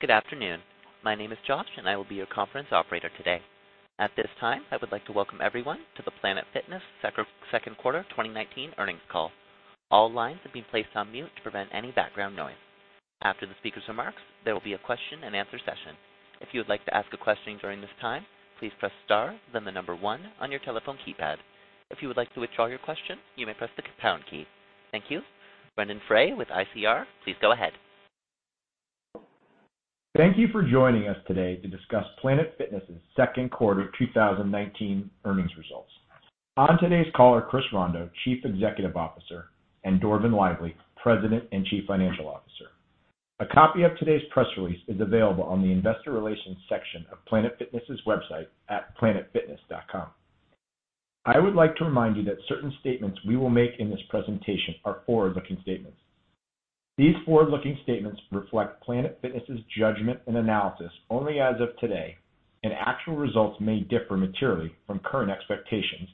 Good afternoon. My name is Josh, and I will be your conference operator today. At this time, I would like to welcome everyone to the Planet Fitness second quarter 2019 earnings call. All lines have been placed on mute to prevent any background noise. After the speaker's remarks, there will be a question-and-answer session. If you would like to ask a question during this time, please press star then the number one on your telephone keypad. If you would like to withdraw your question, you may press the pound key. Thank you. Brendon Frey with ICR, please go ahead. Thank you for joining us today to discuss Planet Fitness' second quarter 2019 earnings results. On today's call are Chris Rondeau, Chief Executive Officer, and Dorvin Lively, President and Chief Financial Officer. A copy of today's press release is available on the investor relations section of Planet Fitness's website at planetfitness.com. I would like to remind you that certain statements we will make in this presentation are forward-looking statements. These forward-looking statements reflect Planet Fitness' judgment and analysis only as of today, and actual results may differ materially from current expectations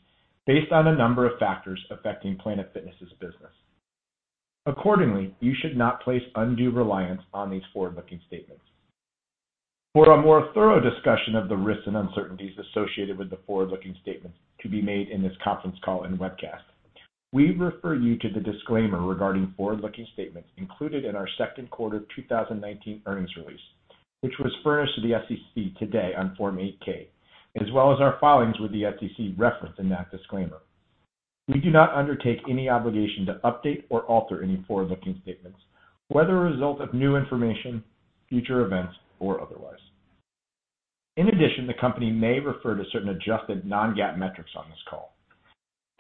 based on a number of factors affecting Planet Fitness' business. Accordingly, you should not place undue reliance on these forward-looking statements. For a more thorough discussion of the risks and uncertainties associated with the forward-looking statements to be made in this conference call and webcast, we refer you to the disclaimer regarding forward-looking statements included in our second quarter 2019 earnings release, which was furnished to the SEC today on Form 8-K, as well as our filings with the SEC referenced in that disclaimer. We do not undertake any obligation to update or alter any forward-looking statements, whether a result of new information, future events, or otherwise. In addition, the company may refer to certain adjusted non-GAAP metrics on this call.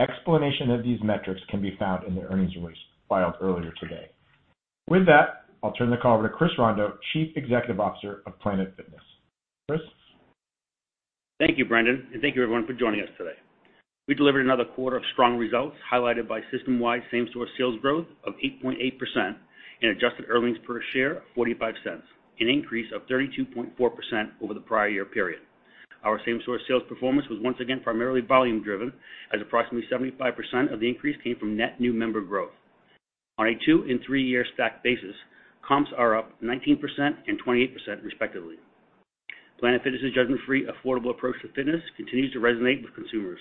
Explanation of these metrics can be found in the earnings release filed earlier today. With that, I'll turn the call over to Chris Rondeau, Chief Executive Officer of Planet Fitness. Chris? Thank you, Brendon, and thank you everyone for joining us today. We delivered another quarter of strong results, highlighted by system-wide same-store sales growth of 8.8% and adjusted earnings per share of $0.45, an increase of 32.4% over the prior year period. Our same-store sales performance was once again primarily volume driven, as approximately 75% of the increase came from net new member growth. On a two- and three-year stacked basis, comps are up 19% and 28% respectively. Planet Fitness's judgment-free, affordable approach to fitness continues to resonate with consumers.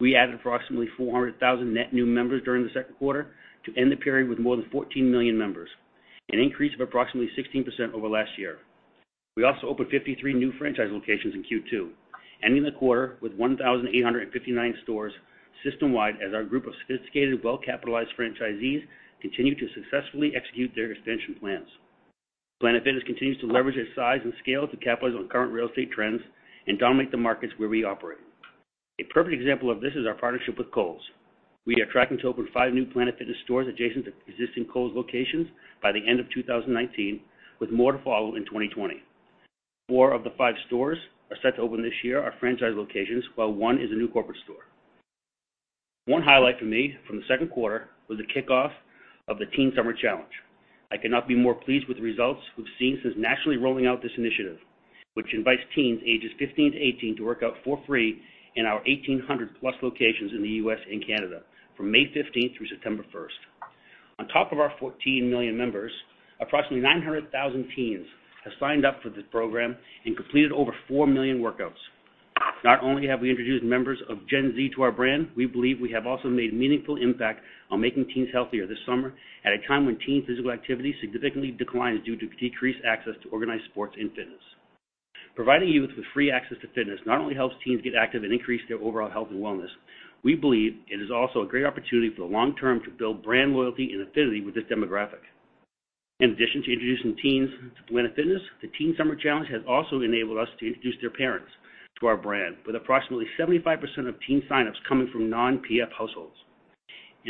We added approximately 400,000 net new members during the second quarter to end the period with more than 14 million members, an increase of approximately 16% over last year. We also opened 53 new franchise locations in Q2, ending the quarter with 1,859 stores system-wide as our group of sophisticated, well-capitalized franchisees continue to successfully execute their expansion plans. Planet Fitness continues to leverage its size and scale to capitalize on current real estate trends and dominate the markets where we operate. A perfect example of this is our partnership with Kohl's. We are tracking to open five new Planet Fitness stores adjacent to existing Kohl's locations by the end of 2019, with more to follow in 2020. Four of the five stores set to open this year are franchise locations, while one is a new corporate store. One highlight for me from the second quarter was the kickoff of the Teen Summer Challenge. I cannot be more pleased with the results we've seen since nationally rolling out this initiative, which invites teens ages 15-18 to work out for free in our 1,800+ locations in the U.S. and Canada from May 15th through September 1st. On top of our 14 million members, approximately 900,000 teens have signed up for this program and completed over 4 million workouts. Not only have we introduced members of Gen Z to our brand, we believe we have also made a meaningful impact on making teens healthier this summer at a time when teen physical activity significantly declines due to decreased access to organized sports and fitness. Providing youth with free access to fitness not only helps teens get active and increase their overall health and wellness, we believe it is also a great opportunity for the long-term to build brand loyalty and affinity with this demographic. In addition to introducing teens to Planet Fitness, the Teen Summer Challenge has also enabled us to introduce their parents to our brand, with approximately 75% of teen sign-ups coming from non-PF households.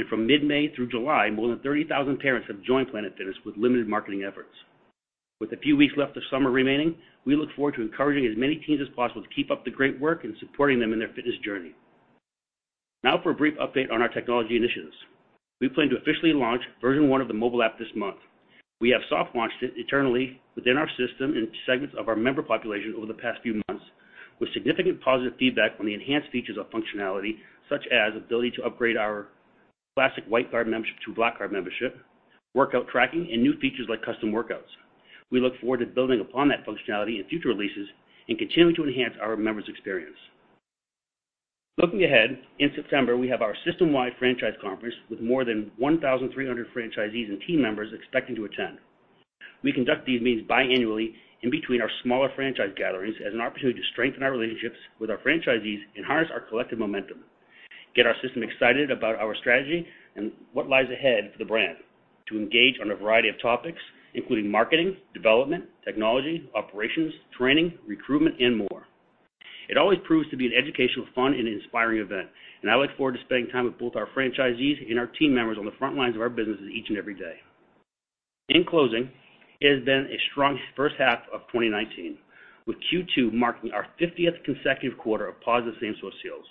From mid-May through July, more than 30,000 parents have joined Planet Fitness with limited marketing efforts. With a few weeks left of summer remaining, we look forward to encouraging as many teens as possible to keep up the great work and supporting them in their fitness journey. Now for a brief update on our technology initiatives. We plan to officially launch version one of the mobile app this month. We have soft launched it internally within our system in segments of our member population over the past few months with significant positive feedback on the enhanced features of functionality such as ability to upgrade our Classic White Card membership to Black Card membership, workout tracking, and new features like custom workouts. We look forward to building upon that functionality in future releases and continuing to enhance our members' experience. Looking ahead, in September, we have our system-wide franchise conference with more than 1,300 franchisees and team members expecting to attend. We conduct these meetings biannually in between our smaller franchise gatherings as an opportunity to strengthen our relationships with our franchisees and harness our collective momentum, get our system excited about our strategy and what lies ahead for the brand to engage on a variety of topics, including marketing, development, technology, operations, training, recruitment, and more. It always proves to be an educational, fun, and inspiring event, and I look forward to spending time with both our franchisees and our team members on the front lines of our businesses each and every day. In closing, it has been a strong first half of 2019, with Q2 marking our fiftieth consecutive quarter of positive same-store sales.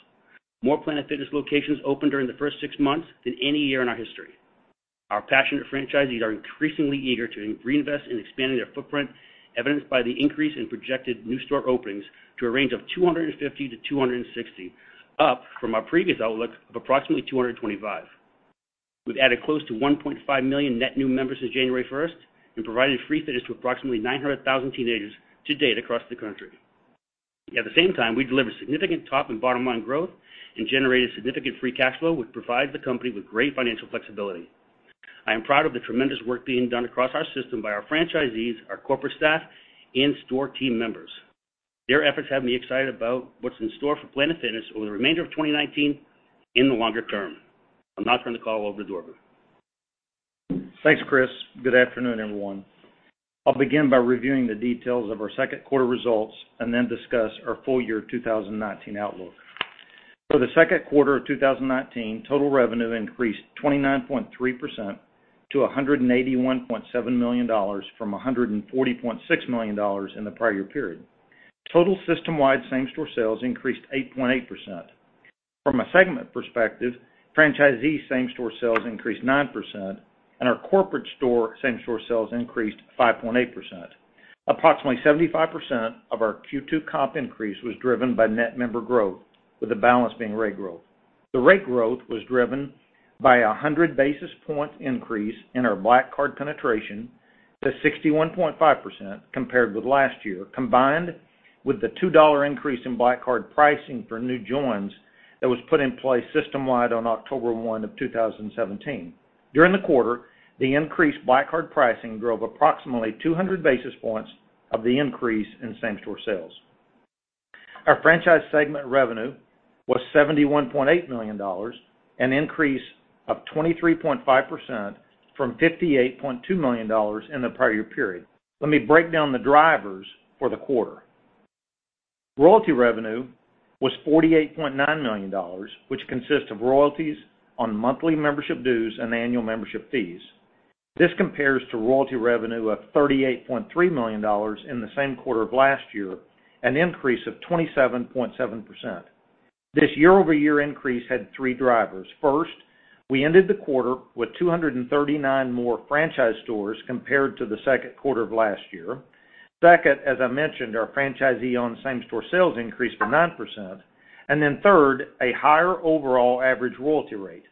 More Planet Fitness locations opened during the first six months than any year in our history. Our passionate franchisees are increasingly eager to reinvest in expanding their footprint, evidenced by the increase in projected new store openings to a range of 250-260, up from our previous outlook of approximately 225. We've added close to 1.5 million net new members since January 1st and provided free fitness to approximately 900,000 teenagers to date across the country. At the same time, we delivered significant top and bottom line growth and generated significant free cash flow, which provides the company with great financial flexibility. I am proud of the tremendous work being done across our system by our franchisees, our corporate staff, and store team members. Their efforts have me excited about what's in store for Planet Fitness over the remainder of 2019 and the longer-term. I'll now turn the call over to Dorvin. Thanks, Chris. Good afternoon, everyone. I'll begin by reviewing the details of our second quarter results and then discuss our full year 2019 outlook. For the second quarter of 2019, total revenue increased 29.3% to $181.7 million from $140.6 million in the prior year period. Total system-wide same-store sales increased 8.8%. From a segment perspective, franchisee same-store sales increased 9%, and our corporate store same-store sales increased 5.8%. Approximately 75% of our Q2 comp increase was driven by net member growth, with the balance being rate growth. The rate growth was driven by 100 basis point increase in our Black Card penetration to 61.5% compared with last year, combined with the $2 increase in Black Card pricing for new joins that was put in place system-wide on October 1 of 2017. During the quarter, the increased Black Card pricing drove approximately 200 basis points of the increase in same-store sales. Our franchise segment revenue was $71.8 million, an increase of 23.5% from $58.2 million in the prior year period. Let me break down the drivers for the quarter. Royalty revenue was $48.9 million, which consists of royalties on monthly membership dues and annual membership fees. This compares to royalty revenue of $38.3 million in the same quarter of last year, an increase of 27.7%. This year-over-year increase had three drivers. First, we ended the quarter with 239 more franchise stores compared to the second quarter of last year. Second, as I mentioned, our franchisee-owned same-store sales increased by 9%. Third, a higher overall average royalty rate.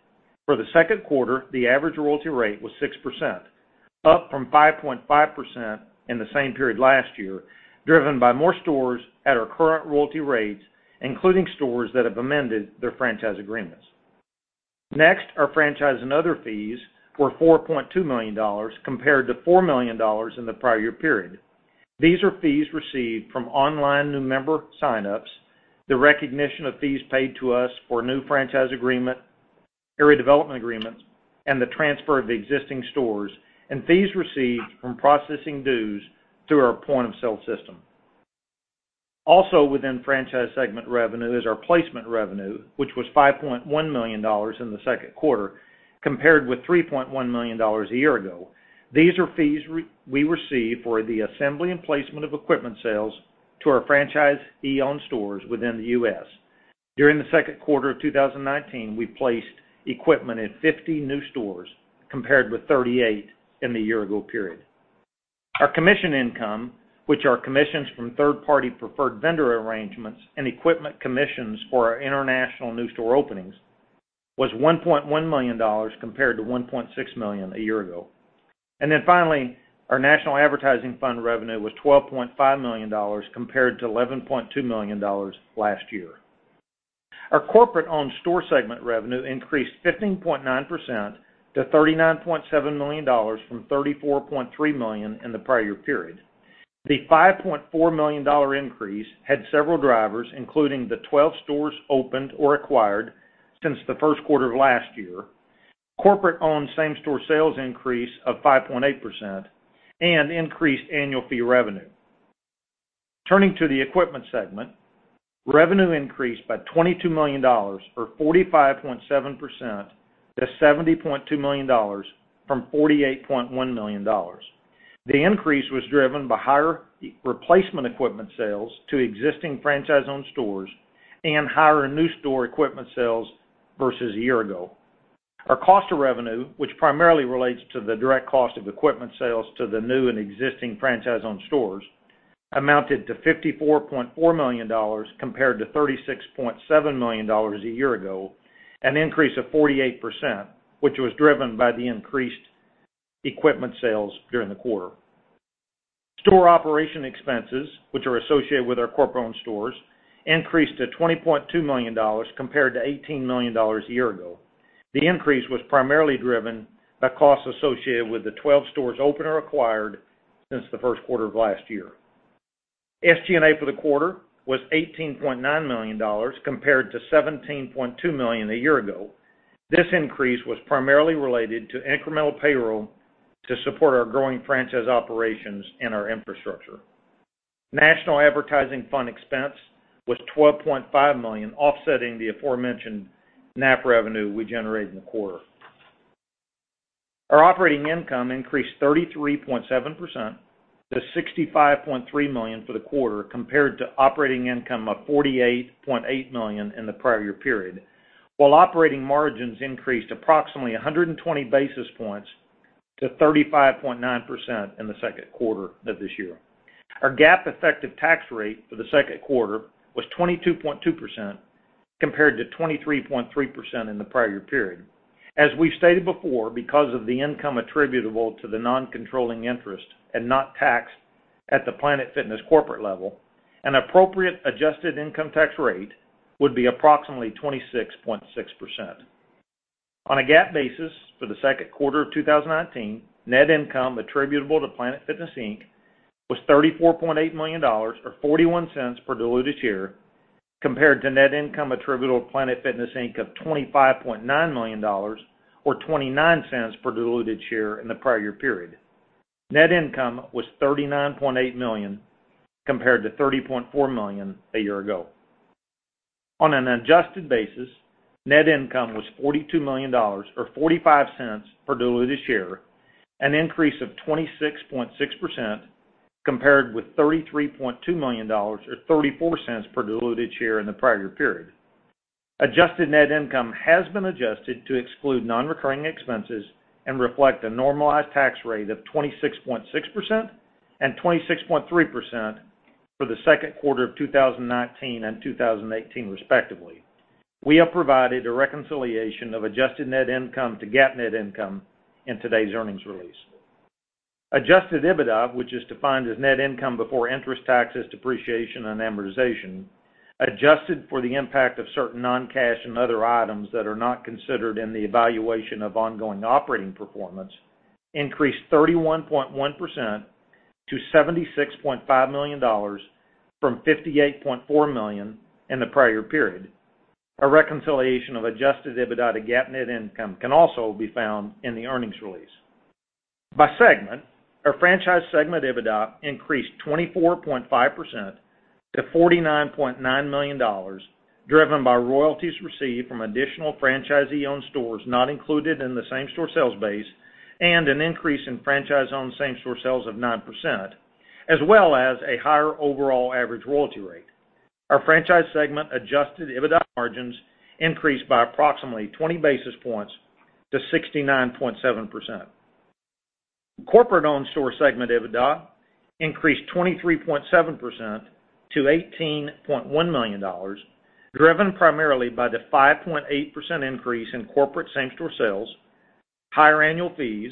For the second quarter, the average royalty rate was 6%, up from 5.5% in the same period last year, driven by more stores at our current royalty rates, including stores that have amended their franchise agreements. Next, our franchise and other fees were $4.2 million, compared to $4 million in the prior year period. These are fees received from online new member sign-ups, the recognition of fees paid to us for new franchise agreement, area development agreements, and the transfer of existing stores, and fees received from processing dues through our point-of-sale system. Also within franchise segment revenue is our placement revenue, which was $5.1 million in the second quarter, compared with $3.1 million a year ago. These are fees we receive for the assembly and placement of equipment sales to our franchisee-owned stores within the U.S. During the second quarter of 2019, we placed equipment at 50 new stores, compared with 38 in the year-ago period. Our commission income, which are commissions from third-party preferred vendor arrangements and equipment commissions for our international new store openings, was $1.1 million, compared to $1.6 million a year ago. Our National Advertising Fund revenue was $12.5 million compared to $11.2 million last year. Our corporate-owned store segment revenue increased 15.9% to $39.7 million from $34.3 million in the prior year period. The $5.4 million increase had several drivers, including the 12 stores opened or acquired since the first quarter of last year, corporate-owned same-store sales increase of 5.8%, and increased annual fee revenue. Turning to the equipment segment, revenue increased by $22 million or 45.7% to $70.2 million from $48.1 million. The increase was driven by higher replacement equipment sales to existing franchise-owned stores and higher new store equipment sales versus a year ago. Our cost of revenue, which primarily relates to the direct cost of equipment sales to the new and existing franchise-owned stores, amounted to $54.4 million, compared to $36.7 million a year ago, an increase of 48%, which was driven by the increased equipment sales during the quarter. Store operation expenses, which are associated with our corporate-owned stores, increased to $20.2 million, compared to $18 million a year ago. The increase was primarily driven by costs associated with the 12 stores opened or acquired since the first quarter of last year. SG&A for the quarter was $18.9 million, compared to $17.2 million a year ago. This increase was primarily related to incremental payroll to support our growing franchise operations and our infrastructure. National advertising fund expense was $12.5 million, offsetting the aforementioned NAF revenue we generated in the quarter. Our operating income increased 33.7% to $65.3 million for the quarter, compared to operating income of $48.8 million in the prior year period. While operating margins increased approximately 120 basis points to 35.9% in the second quarter of this year. Our GAAP effective tax rate for the second quarter was 22.2%, compared to 23.3% in the prior year period. As we've stated before, because of the income attributable to the non-controlling interest and not taxed at the Planet Fitness corporate level, an appropriate adjusted income tax rate would be approximately 26.6%. On a GAAP basis for the second quarter of 2019, net income attributable to Planet Fitness Inc. was $34.8 million, or $0.41 per diluted share, compared to net income attributable to Planet Fitness Inc. of $25.9 million or $0.29 per diluted share in the prior year period. Net income was $39.8 million, compared to $30.4 million a year ago. On an adjusted basis, net income was $42 million or $0.45 per diluted share, an increase of 26.6%, compared with $33.2 million or $0.34 per diluted share in the prior year period. Adjusted net income has been adjusted to exclude non-recurring expenses and reflect a normalized tax rate of 26.6% and 26.3% for the second quarter of 2019 and 2018 respectively. We have provided a reconciliation of adjusted net income to GAAP net income in today's earnings release. Adjusted EBITDA, which is defined as net income before interest, taxes, depreciation, and amortization, adjusted for the impact of certain non-cash and other items that are not considered in the evaluation of ongoing operating performance, increased 31.1% to $76.5 million from $58.4 million in the prior period. A reconciliation of adjusted EBITDA to GAAP net income can also be found in the earnings release. By segment, our franchise segment EBITDA increased 24.5% to $49.9 million, driven by royalties received from additional franchisee-owned stores not included in the same-store sales base and an increase in franchise-owned same-store sales of 9%, as well as a higher overall average royalty rate. Our franchise segment adjusted EBITDA margins increased by approximately 20 basis points to 69.7%. Corporate owned store segment EBITDA increased 23.7% to $18.1 million, driven primarily by the 5.8% increase in corporate same-store sales, higher annual fees,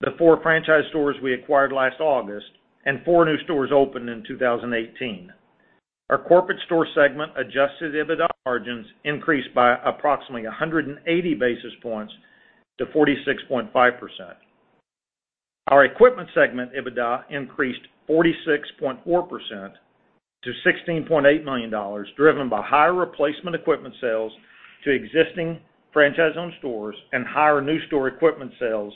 the four franchise stores we acquired last August, and four new stores opened in 2018. Our corporate store segment adjusted EBITDA margins increased by approximately 180 basis points to 46.5%. Our equipment segment EBITDA increased 46.4% to $16.8 million, driven by higher replacement equipment sales to existing franchise-owned stores and higher new store equipment sales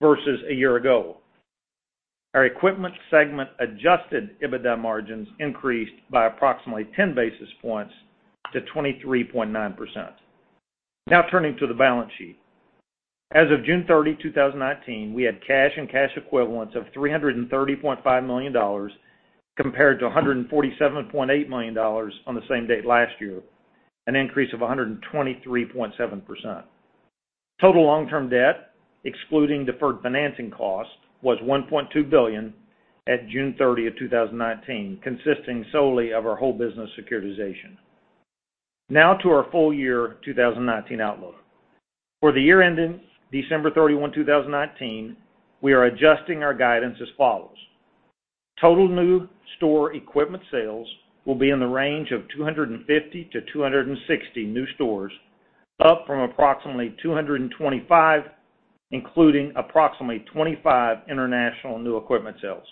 versus a year ago. Our equipment segment adjusted EBITDA margins increased by approximately 10 basis points to 23.9%. Now turning to the balance sheet. As of June 30, 2019, we had cash and cash equivalents of $330.5 million compared to $147.8 million on the same date last year, an increase of 123.7%. Total long-term debt, excluding deferred financing costs, was $1.2 billion at June 30, 2019, consisting solely of our whole business securitization. Now to our full year 2019 outlook. For the year ending December 31, 2019, we are adjusting our guidance as follows. Total new store equipment sales will be in the range of 250-260 new stores, up from approximately 225, including approximately 25 international new equipment sales.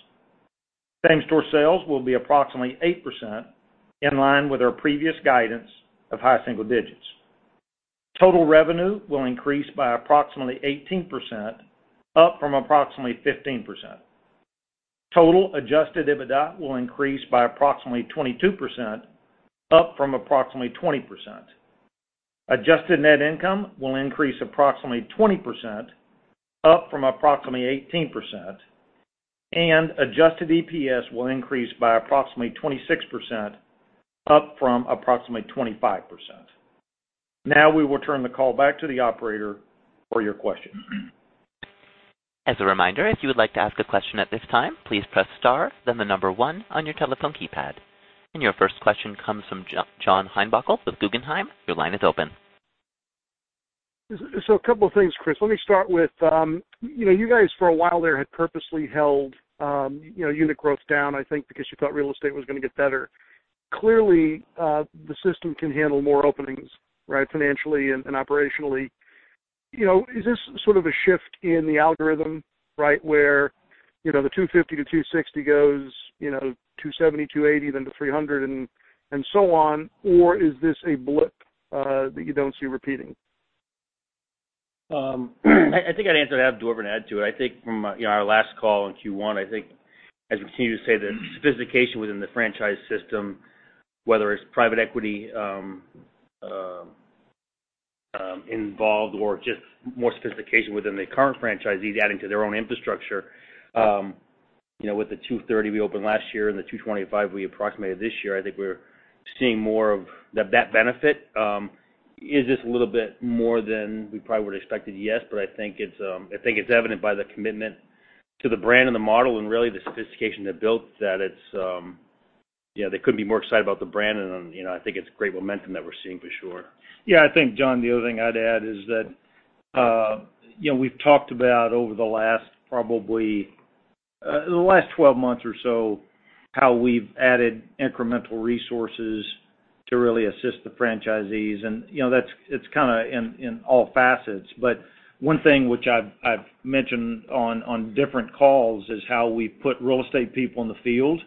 Same-store sales will be approximately 8%, in line with our previous guidance of high-single-digits. Total revenue will increase by approximately 18%, up from approximately 15%. Total adjusted EBITDA will increase by approximately 22%, up from approximately 20%. Adjusted net income will increase approximately 20%, up from approximately 18%, and adjusted EPS will increase by approximately 26%, up from approximately 25%. We will turn the call back to the operator for your questions. As a reminder, if you would like to ask a question at this time, please press star, then the number one on your telephone keypad. Your first question comes from John Heinbockel with Guggenheim. Your line is open. A couple of things, Chris. Let me start with, you guys for a while there had purposely held unit growth down, I think because you thought real estate was going to get better. Clearly, the system can handle more openings, right? Financially and operationally. Is this sort of a shift in the algorithm, right? Where the 250-260 goes, 270, 280, then to 300 and so on, or is this a blip that you don't see repeating? I think I'd answer that, and have Dorvin add to it. I think from our last call in Q1, I think as we continue to say, the sophistication within the franchise system, whether it's private equity involved or just more sophistication within the current franchisees adding to their own infrastructure, With the 230 we opened last year and the 225 we approximated this year, I think we're seeing more of that benefit. Is this a little bit more than we probably would've expected? Yes, I think it's evident by the commitment to the brand and the model and really the sophistication they built that they couldn't be more excited about the brand. I think it's great momentum that we're seeing, for sure. Yeah. I think, John, the other thing I'd add is that we've talked about over the last 12 months or so, how we've added incremental resources to really assist the franchisees, and it's in all facets. But one thing which I've mentioned on different calls is how we put real estate people in the field,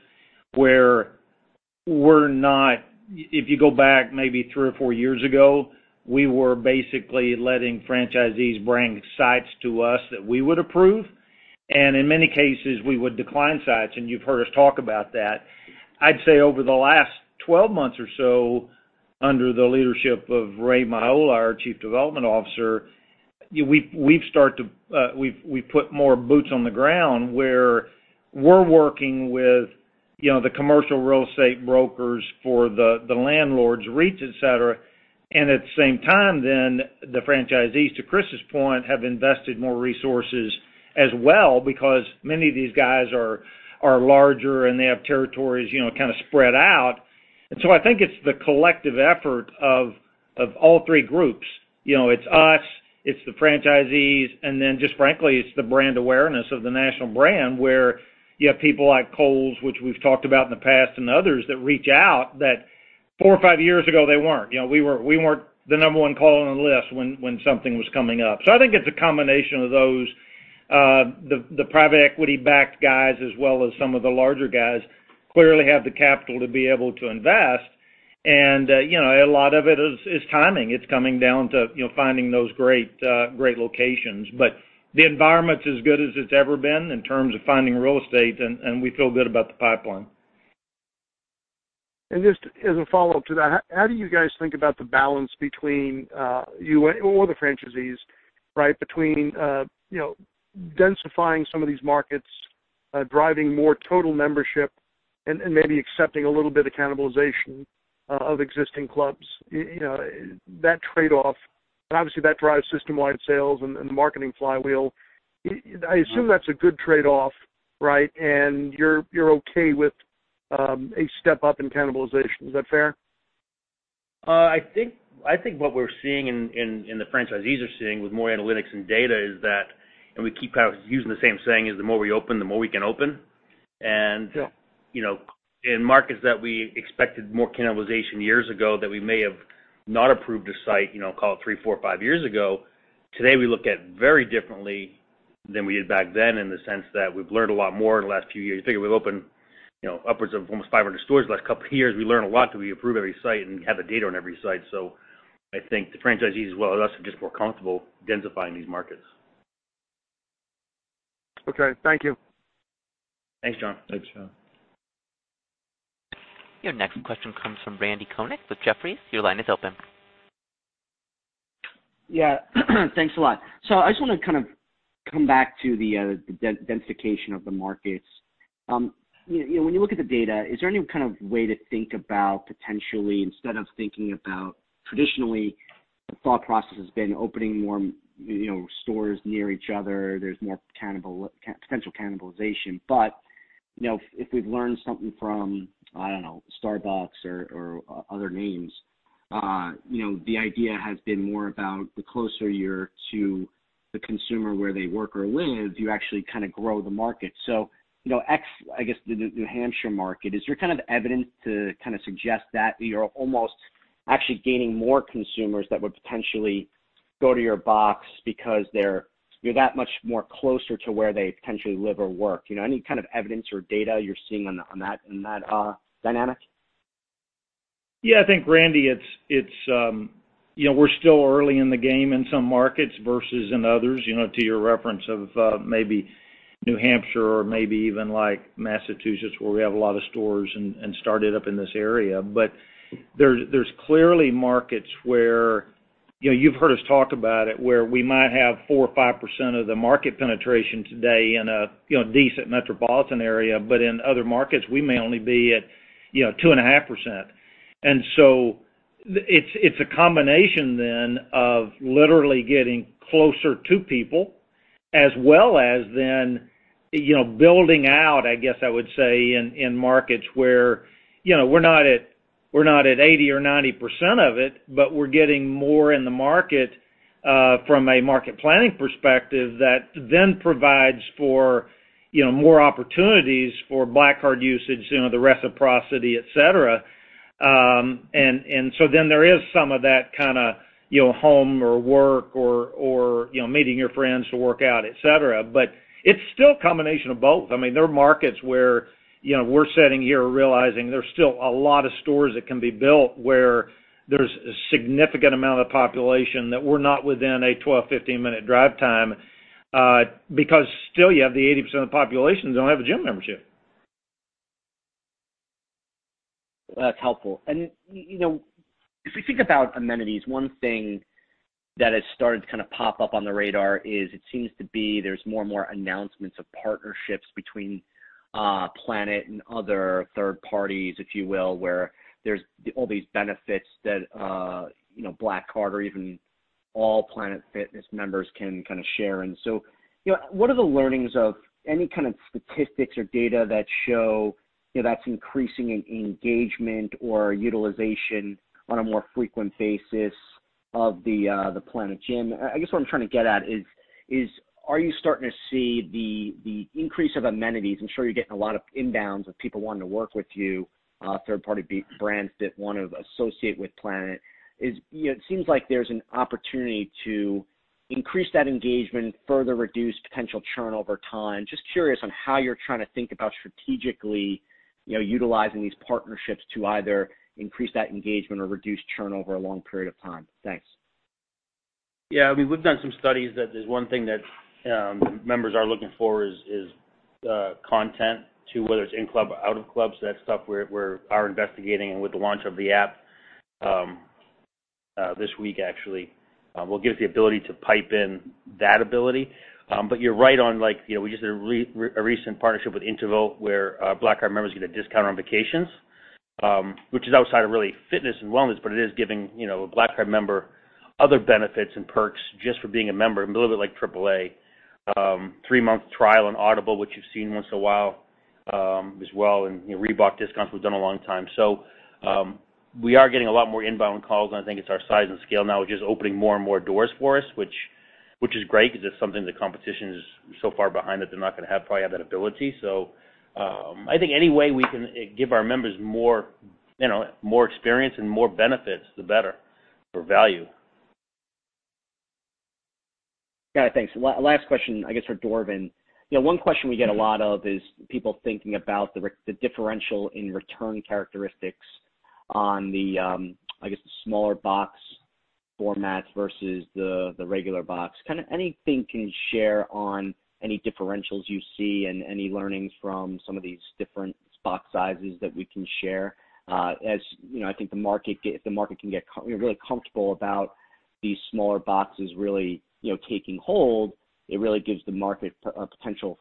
where if you go back maybe three or four years ago, we were basically letting franchisees bring sites to us that we would approve. In many cases, we would decline sites, and you've heard us talk about that. I'd say over the last 12 months or so, under the leadership of Ray Miolla, our Chief Development Officer, we've put more boots on the ground where we're working with the commercial real estate brokers for the landlords, REITs, et cetera. At the same time, the franchisees, to Chris's point, have invested more resources as well because many of these guys are larger and they have territories kind of spread out. I think it's the collective effort of all three groups. It's us, it's the franchisees, and then just frankly, it's the brand awareness of the national brand, where you have people like Kohl's, which we've talked about in the past, and others that reach out, that four or five years ago, they weren't. We weren't the number one call on the list when something was coming up. I think it's a combination of those. The private equity-backed guys, as well as some of the larger guys, clearly have the capital to be able to invest, and a lot of it is timing. It's coming down to finding those great locations. The environment's as good as it's ever been in terms of finding real estate, and we feel good about the pipeline. Just as a follow-up to that, how do you guys think about the balance between you or the franchisees between densifying some of these markets, driving more total membership, and maybe accepting a little bit of cannibalization of existing clubs? That trade-off, obviously, that drives system-wide sales and the marketing flywheel. I assume that's a good trade-off, right? You're okay with a step up in cannibalization. Is that fair? I think what we're seeing and the franchisees are seeing with more analytics and data is that, and we keep using the same saying, is the more we open, the more we can open. Yeah. In markets that we expected more cannibalization years ago that we may have not approved a site, call it three, four, five years ago, today we look at very differently than we did back then in the sense that we've learned a lot more in the last few years. You figure we've opened upwards of almost 500 stores the last couple of years. We learn a lot because we approve every site and have the data on every site. I think the franchisees, as well as us, are just more comfortable densifying these markets. Okay. Thank you. Thanks, John. Thanks, John. Your next question comes from Randy Konik with Jefferies. Your line is open. Yeah. Thanks a lot. I just want to come back to the densification of the markets. When you look at the data, is there any way to think about potentially, instead of thinking about traditionally, the thought process has been opening more stores near each other, there's more potential cannibalization. If we've learned something from, I don't know, Starbucks or other names, the idea has been more about the closer you're to the consumer where they work or live, you actually grow the market. I guess the New Hampshire market, is there evidence to suggest that you're almost actually gaining more consumers that would potentially go to your box because you're that much more closer to where they potentially live or work? Any evidence or data you're seeing in that dynamic? Yeah, I think, Randy, we're still early in the game in some markets versus in others, to your reference of maybe New Hampshire or maybe even Massachusetts, where we have a lot of stores and started up in this area. There's clearly markets where you've heard us talk about it, where we might have 4% or 5% of the market penetration today in a decent metropolitan area, but in other markets, we may only be at 2.5%. It's a combination then of literally getting closer to people as well as then building out, I guess I would say, in markets where we're not at 80% or 90% of it, but we're getting more in the market from a market planning perspective that then provides for more opportunities for Black Card usage, the reciprocity, et cetera. There is some of that home or work or meeting your friends to work out, et cetera. It's still a combination of both. There are markets where we're sitting here realizing there's still a lot of stores that can be built where there's a significant amount of population that we're not within a 12, 15-minute drive time because still you have the 80% of the population that don't have a gym membership. That's helpful. If we think about amenities, one thing that has started to kind of pop up on the radar is it seems to be there's more and more announcements of partnerships between Planet and other third parties, if you will, where there's all these benefits that Black Card or even all Planet Fitness members can kind of share. What are the learnings of any kind of statistics or data that show that's increasing in engagement or utilization on a more frequent basis of the Planet gym? I guess what I'm trying to get at is, are you starting to see the increase of amenities? I'm sure you're getting a lot of inbounds of people wanting to work with you, third-party brands that want to associate with Planet. It seems like there's an opportunity to increase that engagement, further reduce potential churn over time. Just curious on how you're trying to think about strategically utilizing these partnerships to either increase that engagement or reduce churn over a long period of time. Thanks. Yeah, we've done some studies that there's one thing that members are looking for is content, too, whether it's in-club or out-of-club. That's stuff we are investigating and with the launch of the app this week, actually, will give the ability to pipe in that ability. You're right on, we just did a recent partnership with Interval where Black Card members get a discount on vacations which is outside of really fitness and wellness, but it is giving a Black Card member other benefits and perks just for being a member, a little bit like AAA. Three-month trial on Audible, which you've seen once in a while as well, and Reebok discounts we've done a long time. We are getting a lot more inbound calls, and I think it's our size and scale now, which is opening more and more doors for us, which is great because it's something the competition is so far behind that they're not going to probably have that ability. I think any way we can give our members more experience and more benefits, the better for value. Got it, thanks. Last question, I guess, for Dorvin. One question we get a lot is people thinking about the differential in return characteristics on the, I guess, smaller box formats versus the regular box. Kind of anything you can share on any differentials you see and any learnings from some of these different box sizes that we can share? As I think if the market can get really comfortable about these smaller boxes really taking hold, it really gives the market a potential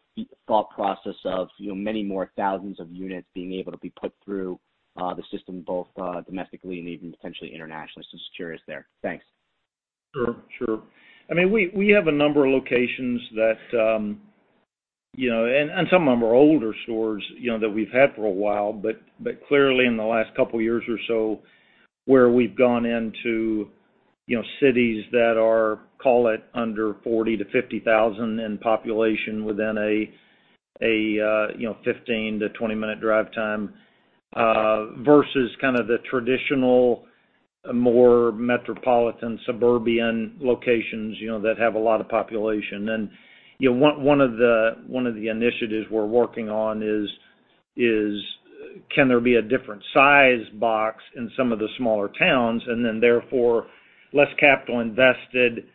thought process of many more thousands of units being able to be put through the system, both domestically and even potentially internationally. Just curious there. Thanks. Sure. We have a number of locations that, and some of them are older stores, that we've had for a while, but clearly in the last couple of years or so where we've gone into cities that are, call it under 40,000-50,000 in population within a 15-20-minute drive time, versus kind of the traditional, more metropolitan, suburban locations that have a lot of population. One of the initiatives we're working on is can there be a different size box in some of the smaller towns and therefore less capital invested,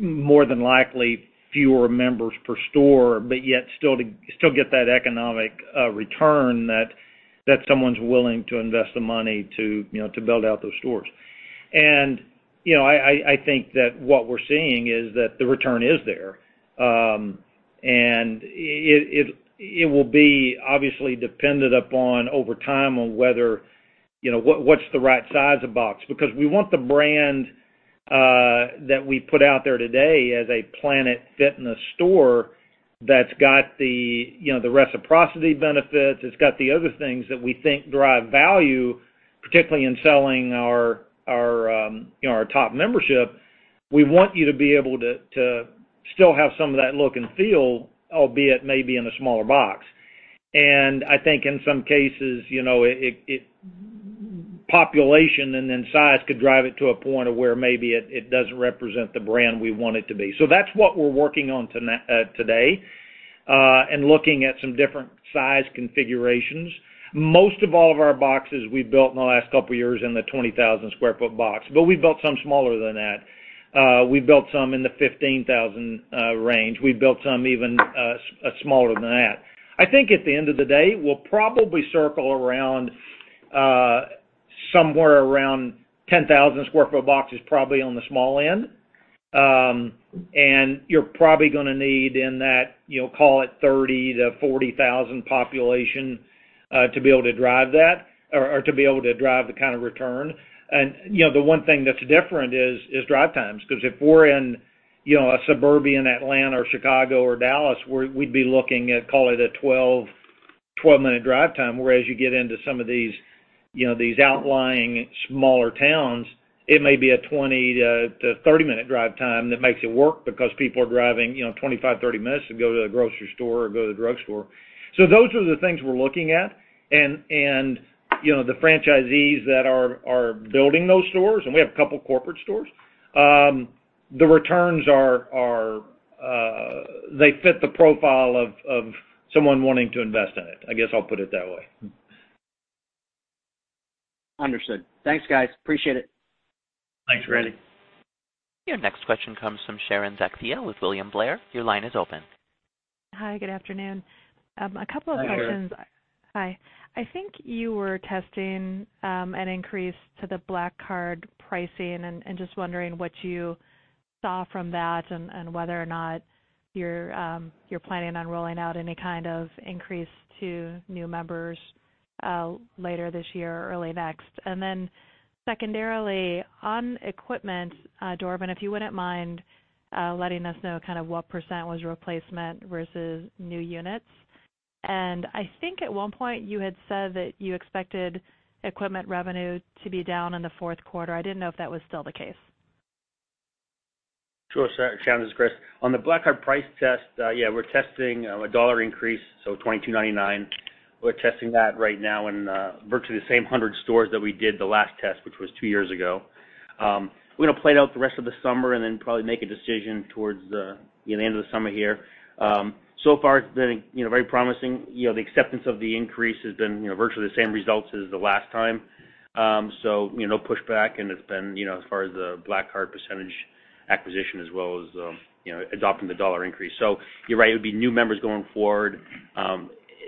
more than likely fewer members per store, but yet still get that economic return that someone's willing to invest the money to build out those stores. I think that what we're seeing is that the return is there. It will be obviously dependent upon over time on what's the right size of box. We want the brand that we put out there today as a Planet Fitness store that's got the reciprocity benefits, it's got the other things that we think drive value, particularly in selling our top membership. We want you to be able to still have some of that look and feel, albeit maybe in a smaller box. I think in some cases, population and then size could drive it to a point of where maybe it doesn't represent the brand we want it to be. That's what we're working on today, and looking at some different size configurations. Most of all of our boxes we've built in the last couple years in the 20,000 sq ft box, but we've built some smaller than that. We've built some in the 15,000 sq ft range. We've built some even smaller than that. I think at the end of the day, we'll probably circle around somewhere around 10,000 sq ft box is probably on the small end. You're probably going to need in that, call it 30,000-40,000 population to be able to drive that or to be able to drive the kind of return. The one thing that's different is drive times, because if we're in a suburbia in Atlanta or Chicago or Dallas, we'd be looking at, call it a 12-minute drive time, whereas you get into some of these outlying smaller towns, it may be a 20-30-minute drive time that makes it work because people are driving 25-30 minutes to go to the grocery store or go to the drug store. Those are the things we're looking at. The franchisees that are building those stores, and we have a couple corporate stores, the returns fit the profile of someone wanting to invest in it. I guess I'll put it that way. Understood. Thanks, guys. Appreciate it. Thanks, Randy. Your next question comes from Sharon Zackfia with William Blair. Your line is open. Hi, good afternoon. A couple of questions. Hi there. Hi. I think you were testing an increase to the Black Card pricing, and just wondering what you saw from that and whether or not you're planning on rolling out any kind of increase to new members later this year or early next. Secondarily, on equipment, Dorvin, if you wouldn't mind letting us know what percent was replacement versus new units. I think at one point you had said that you expected equipment revenue to be down in the fourth quarter. I didn't know if that was still the case. Sure, Sharon. This is Chris. On the Black Card price test, yeah, we're testing a dollar increase, so $22.99. We're testing that right now in virtually the same 100 stores that we did the last test, which was two years ago. We're going to play it out the rest of the summer and then probably make a decision towards the end of the summer here. So far, it's been very promising. The acceptance of the increase has been virtually the same results as the last time. No pushback and it's been, as far as the Black Card percentage acquisition as well as adopting the dollar increase. You're right, it would be new members going forward.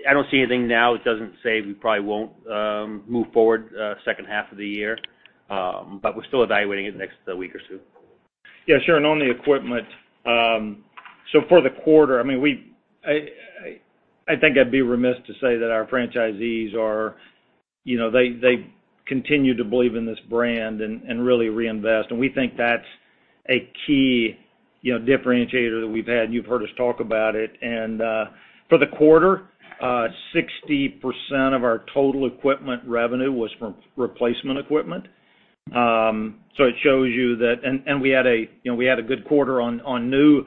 I don't see anything now. It doesn't say we probably won't move forward second half of the year, but we're still evaluating it the next week or two. Sharon, on the equipment. For the quarter, I think I'd be remiss to say that our franchisees continue to believe in this brand and really reinvest, and we think that's a key differentiator that we've had, and you've heard us talk about it. For the quarter, 60% of our total equipment revenue was from replacement equipment. We had a good quarter on new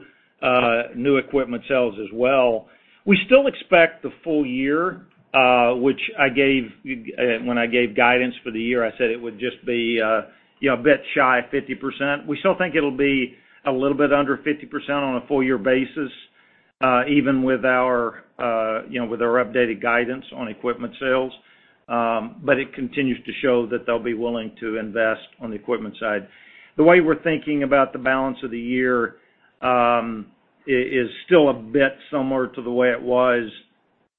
equipment sales as well. We still expect the full year, which when I gave guidance for the year, I said it would just be a bit shy of 50%. We still think it'll be a little bit under 50% on a full year basis, even with our updated guidance on equipment sales. It continues to show that they'll be willing to invest on the equipment side. The way we're thinking about the balance of the year is still a bit similar to the way it was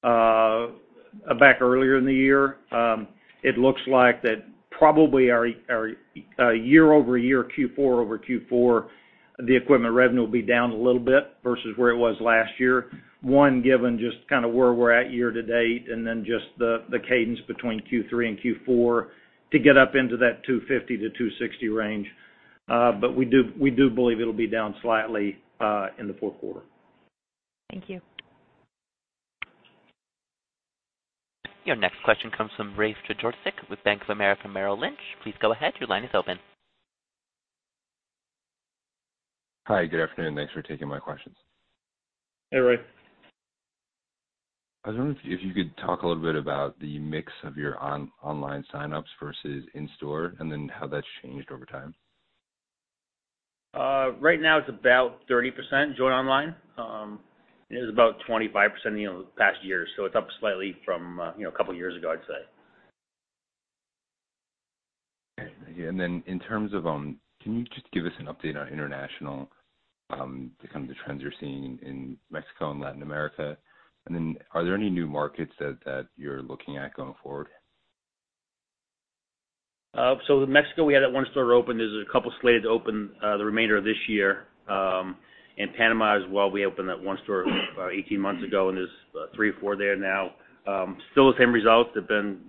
back earlier in the year. It looks like that probably our year-over-year Q4 over Q4, the equipment revenue will be down a little bit versus where it was last year. One, given just where we're at year-to-date, and then just the cadence between Q3 and Q4 to get up into that $250-$260 range. We do believe it'll be down slightly in the fourth quarter. Thank you. Your next question comes from Rafe Jadrosich with Bank of America Merrill Lynch. Please go ahead. Your line is open. Hi, good afternoon. Thanks for taking my questions. Hey, Rafe. I was wondering if you could talk a little bit about the mix of your online signups versus in-store, and then how that's changed over time. Right now, it's about 30% join online. It was about 25% in the past year, so it's up slightly from a couple of years ago, I'd say. Okay. Can you just give us an update on international, the kind of trends you're seeing in Mexico and Latin America? Are there any new markets that you're looking at going forward? Mexico, we had that one store open. There's a couple slated to open the remainder of this year. In Panama as well, we opened that one store about 18 months ago, and there's three or four there now. Still the same results. They've been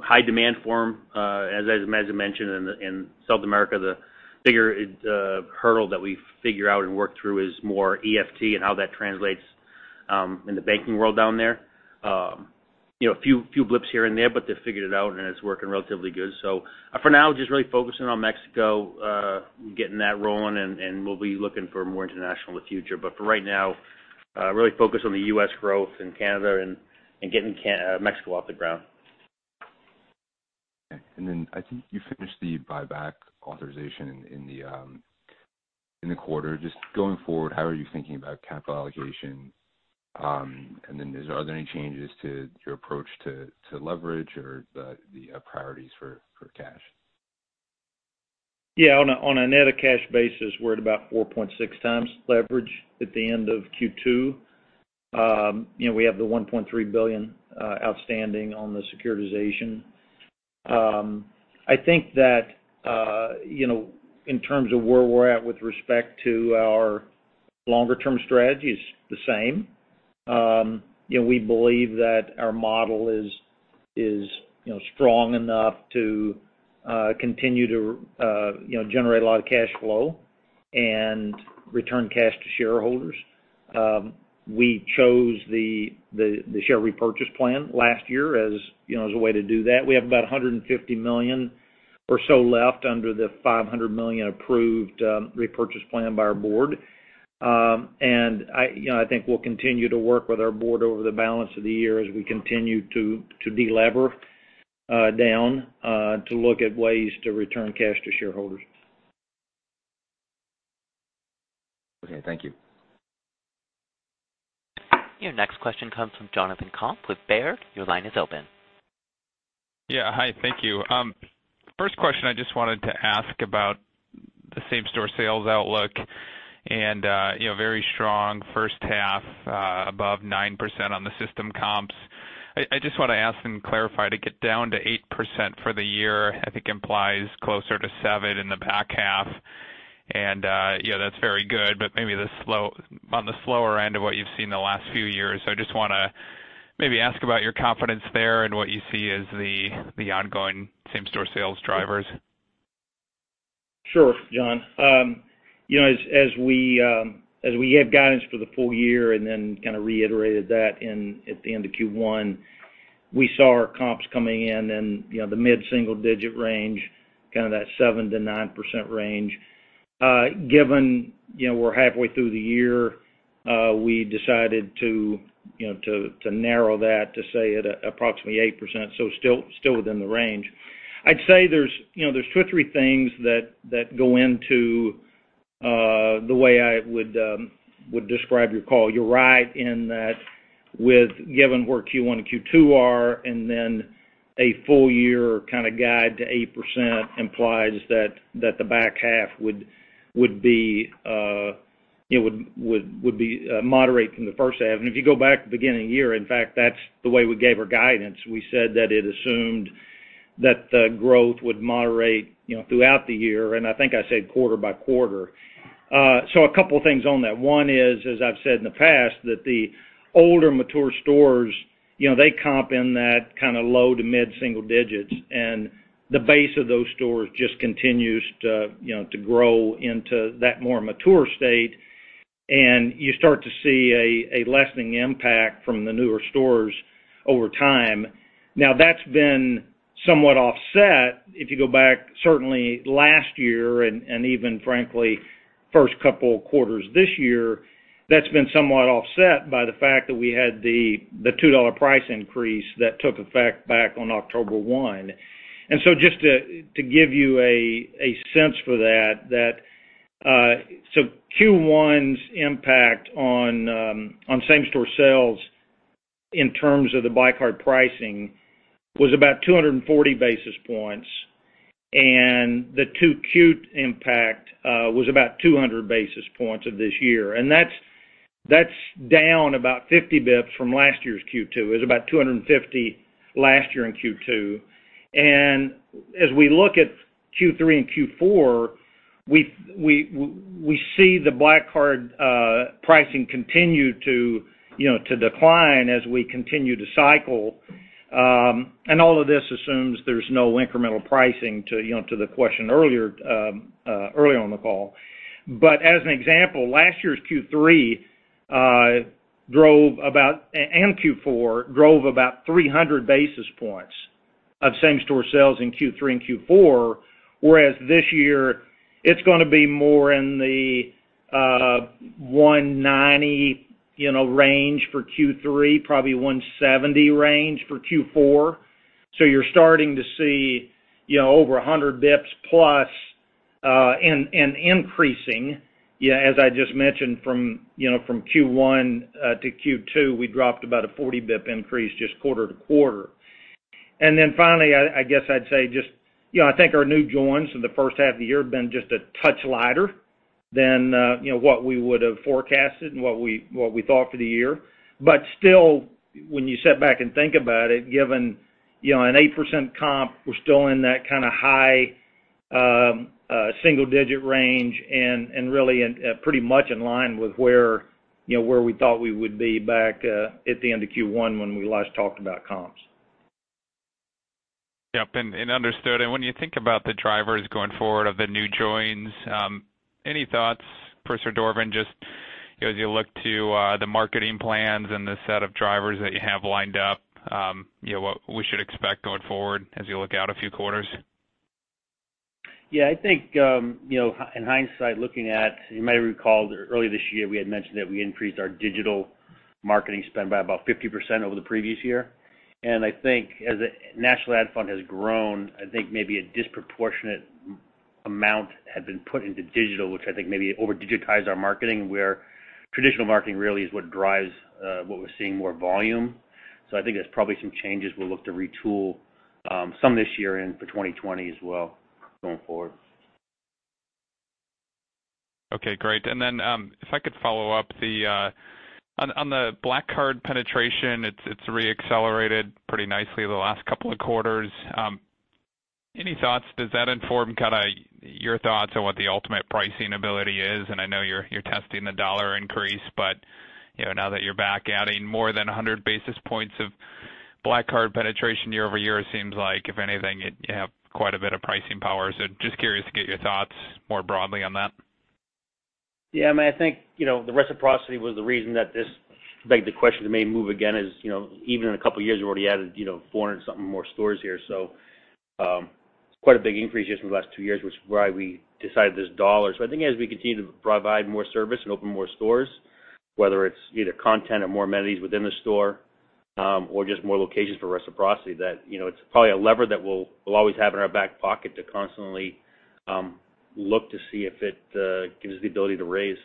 high demand for them. As I mentioned, in South America, the bigger hurdle that we figure out and work through is more EFT and how that translates in the banking world down there. A few blips here and there, but they figured it out and it's working relatively good. For now, just really focusing on Mexico, getting that rolling, and we'll be looking for more international in the future. For right now, really focused on the U.S. growth and Canada and getting Mexico off the ground. Okay. I think you finished the buyback authorization in the quarter. Just going forward, how are you thinking about capital allocation? Are there any changes to your approach to leverage or the priorities for cash? Yeah, on a net of cash basis, we're at about 4.6x leverage at the end of Q2. We have the $1.3 billion outstanding on the securitization. I think that in terms of where we're at with respect to our longer-term strategy is the same. We believe that our model is strong enough to continue to generate a lot of cash flow and return cash to shareholders. We chose the share repurchase plan last year as a way to do that. We have about $150 million or so left under the $500 million approved repurchase plan by our board. I think we'll continue to work with our board over the balance of the year as we continue to delever down to look at ways to return cash to shareholders. Okay, thank you. Your next question comes from Jonathan Komp with Baird. Your line is open. Yeah. Hi, thank you. First question, I just wanted to ask about the same-store sales outlook and very strong first half, above 9% on the system comps. I just want to ask and clarify, to get down to 8% for the year, I think implies closer to seven in the back half. That's very good. Maybe on the slower end of what you've seen the last few years. I just want to maybe ask about your confidence there and what you see as the ongoing same-store sales drivers. Sure, John. As we gave guidance for the full year and then reiterated that at the end of Q1, we saw our comps coming in the mid-single-digit range, that 7%-9% range. Given we're halfway through the year, we decided to narrow that to say at approximately 8%, so still within the range. I'd say there's two or three things that go into the way I would describe your call. You're right in that given where Q1 and Q2 are, a full year guide to 8% implies that the back half would be moderate from the first half. If you go back to the beginning of the year, in fact, that's the way we gave our guidance. We said that it assumed that the growth would moderate throughout the year, and I think I said quarter by quarter. A couple things on that. One is, as I've said in the past, that the older mature stores, they comp in that low to mid-single-digits, and the base of those stores just continues to grow into that more mature state. You start to see a lessening impact from the newer stores over time. That's been somewhat offset if you go back certainly last year and even frankly, first couple of quarters this year, that's been somewhat offset by the fact that we had the $2 price increase that took effect back on October 1. Just to give you a sense for that. Q1's impact on same-store sales in terms of the Black Card pricing was about 240 basis points. The 2Q impact was about 200 basis points of this year. That's down about 50 basis points from last year's Q2. It was about 250 last year in Q2. As we look at Q3 and Q4, we see the Black Card pricing continue to decline as we continue to cycle. All of this assumes there's no incremental pricing to the question earlier on the call. As an example, last year's Q3 and Q4 drove about 300 basis points of same-store sales in Q3 and Q4. Whereas this year, it's going to be more in the 190 range for Q3, probably 170 range for Q4. You're starting to see over 100 basis points plus, and increasing. As I just mentioned from Q1 to Q2, we dropped about a 40 basis point increase just quarter to quarter. Finally, I guess I'd say just, I think our new joins in the first half of the year have been just a touch lighter than what we would have forecasted and what we thought for the year. Still, when you sit back and think about it, given an 8% comp, we're still in that high-single-digit range and really pretty much in line with where we thought we would be back at the end of Q1 when we last talked about comps. Yep. Understood. When you think about the drivers going forward of the new joins, any thoughts, Chris or Dorvin, just as you look to the marketing plans and the set of drivers that you have lined up, what we should expect going forward as you look out a few quarters? Yeah, I think, in hindsight, looking at, you might recall earlier this year, we had mentioned that we increased our digital marketing spend by about 50% over the previous year. I think as the national ad fund has grown, I think maybe a disproportionate amount had been put into digital, which I think maybe over-digitized our marketing, where traditional marketing really is what drives what we're seeing more volume. I think there's probably some changes we'll look to retool, some this year and for 2020 as well going forward. Okay, great. Then if I could follow-up. On the Black Card penetration, it's re-accelerated pretty nicely the last couple of quarters. Any thoughts? Does that inform your thoughts on what the ultimate pricing ability is? I know you're testing the dollar increase, but now that you're back adding more than 100 basis points of Black Card penetration year-over-year, it seems like if anything, you have quite a bit of pricing power. Just curious to get your thoughts more broadly on that. Yeah, I think the reciprocity was the reason that this begged the question to maybe move again is, even in a couple of years, we've already added 400 and something more stores here. Quite a big increase just from the last two years, which is why we decided this dollar. I think as we continue to provide more service and open more stores, whether it's either content or more amenities within the store, or just more locations for reciprocity, that it's probably a lever that we'll always have in our back pocket to constantly look to see if it gives us the ability to raise.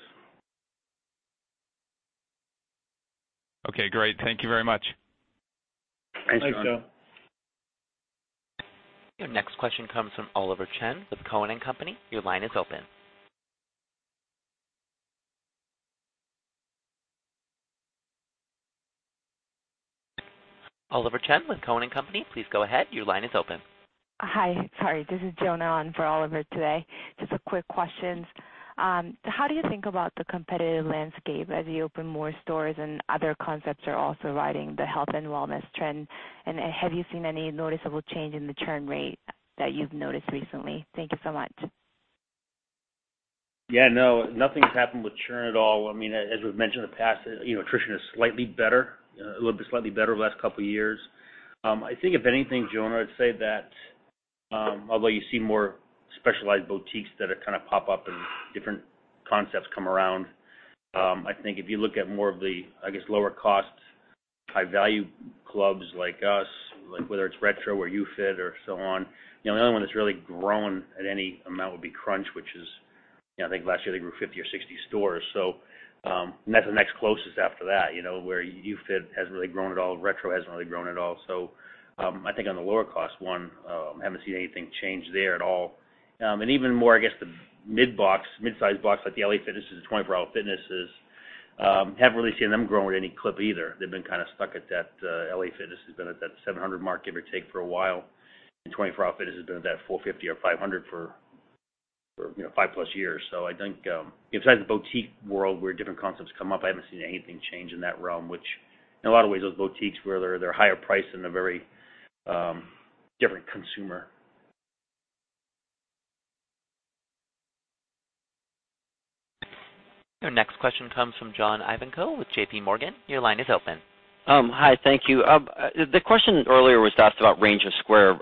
Okay, great. Thank you very much. Thanks, John. Thanks, John. Your next question comes from Oliver Chen with Cowen and Company. Your line is open. Oliver Chen with Cowen and Company, please go ahead. Your line is open. Hi. Sorry, this is Jonna on for Oliver today. Just quick questions. How do you think about the competitive landscape as you open more stores and other concepts are also riding the health and wellness trend? Have you seen any noticeable change in the churn rate that you've noticed recently? Thank you so much. Yeah, no, nothing's happened with churn at all. As we've mentioned in the past, attrition is slightly better, a little bit slightly better over the last couple of years. I think if anything, Jonna, I'd say that, although you see more specialized boutiques that kind of pop up and different concepts come around, I think if you look at more of the, I guess, lower cost, high-value clubs like us, whether it's Retro or YouFit or so on, the only one that's really grown at any amount would be Crunch, which is, I think last year they grew 50 or 60 stores. That's the next closest after that, where YouFit hasn't really grown at all, Retro hasn't really grown at all. I think on the lower cost one, I haven't seen anything change there at all. Even more, I guess, the mid-size box like the LA Fitnesses and 24 Hour Fitnesses, haven't really seen them growing at any clip either. They've been kind of stuck at that, LA Fitness has been at that 700 mark, give or take, for a while, and 24 Hour Fitness has been at that 450 or 500 for five-plus years. I think, inside the boutique world where different concepts come up, I haven't seen anything change in that realm, which in a lot of ways, those boutiques where they're higher price and a very different consumer. Your next question comes from John Ivankoe with JPMorgan. Your line is open. Hi, thank you. The question earlier was asked about range of square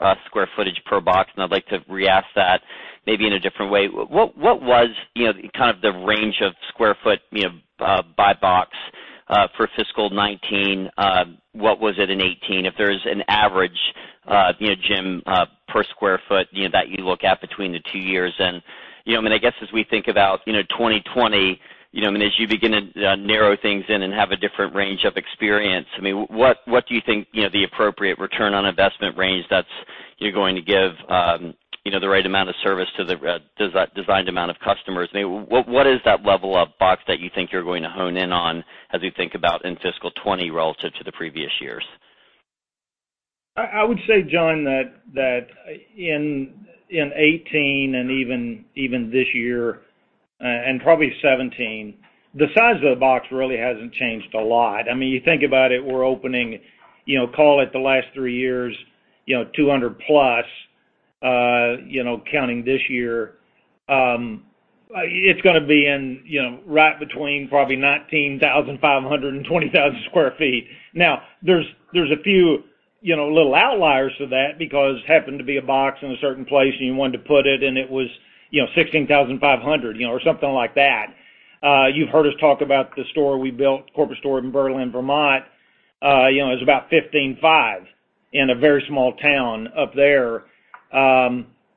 footage per box. I'd like to re-ask that maybe in a different way. What was the range of square foot by box for fiscal 2019? What was it in 2018? If there's an average gym per square foot that you look at between the two years, I guess as we think about 2020, as you begin to narrow things in and have a different range of experience, what do you think the appropriate return on investment range that's you're going to give the right amount of service to the designed amount of customers? What is that level of box that you think you're going to hone in on as we think about in fiscal 2020 relative to the previous years? I would say, John, that in 2018 and even this year, and probably 2017, the size of the box really hasn't changed a lot. You think about it, we're opening, call it the last three years, 200+, counting this year. It's going to be in right between probably 19,500 and 20,000 sq ft. There's a few little outliers to that because happened to be a box in a certain place and you wanted to put it and it was 16,500 sq ft, or something like that. You've heard us talk about the store we built, corporate store in Berlin, Vermont, it was about 15,500 sq ft in a very small town up there.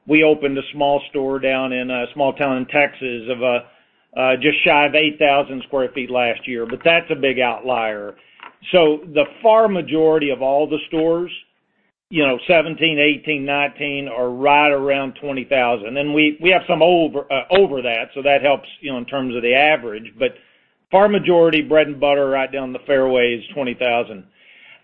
We opened a small store down in a small town in Texas of just shy of 8,000 sq ft last year. That's a big outlier. The far majority of all the stores, 2017, 2018, 2019, are right around 20,000 sq ft. We have some over that helps in terms of the average. Far majority bread and butter right down the fairway is 20,000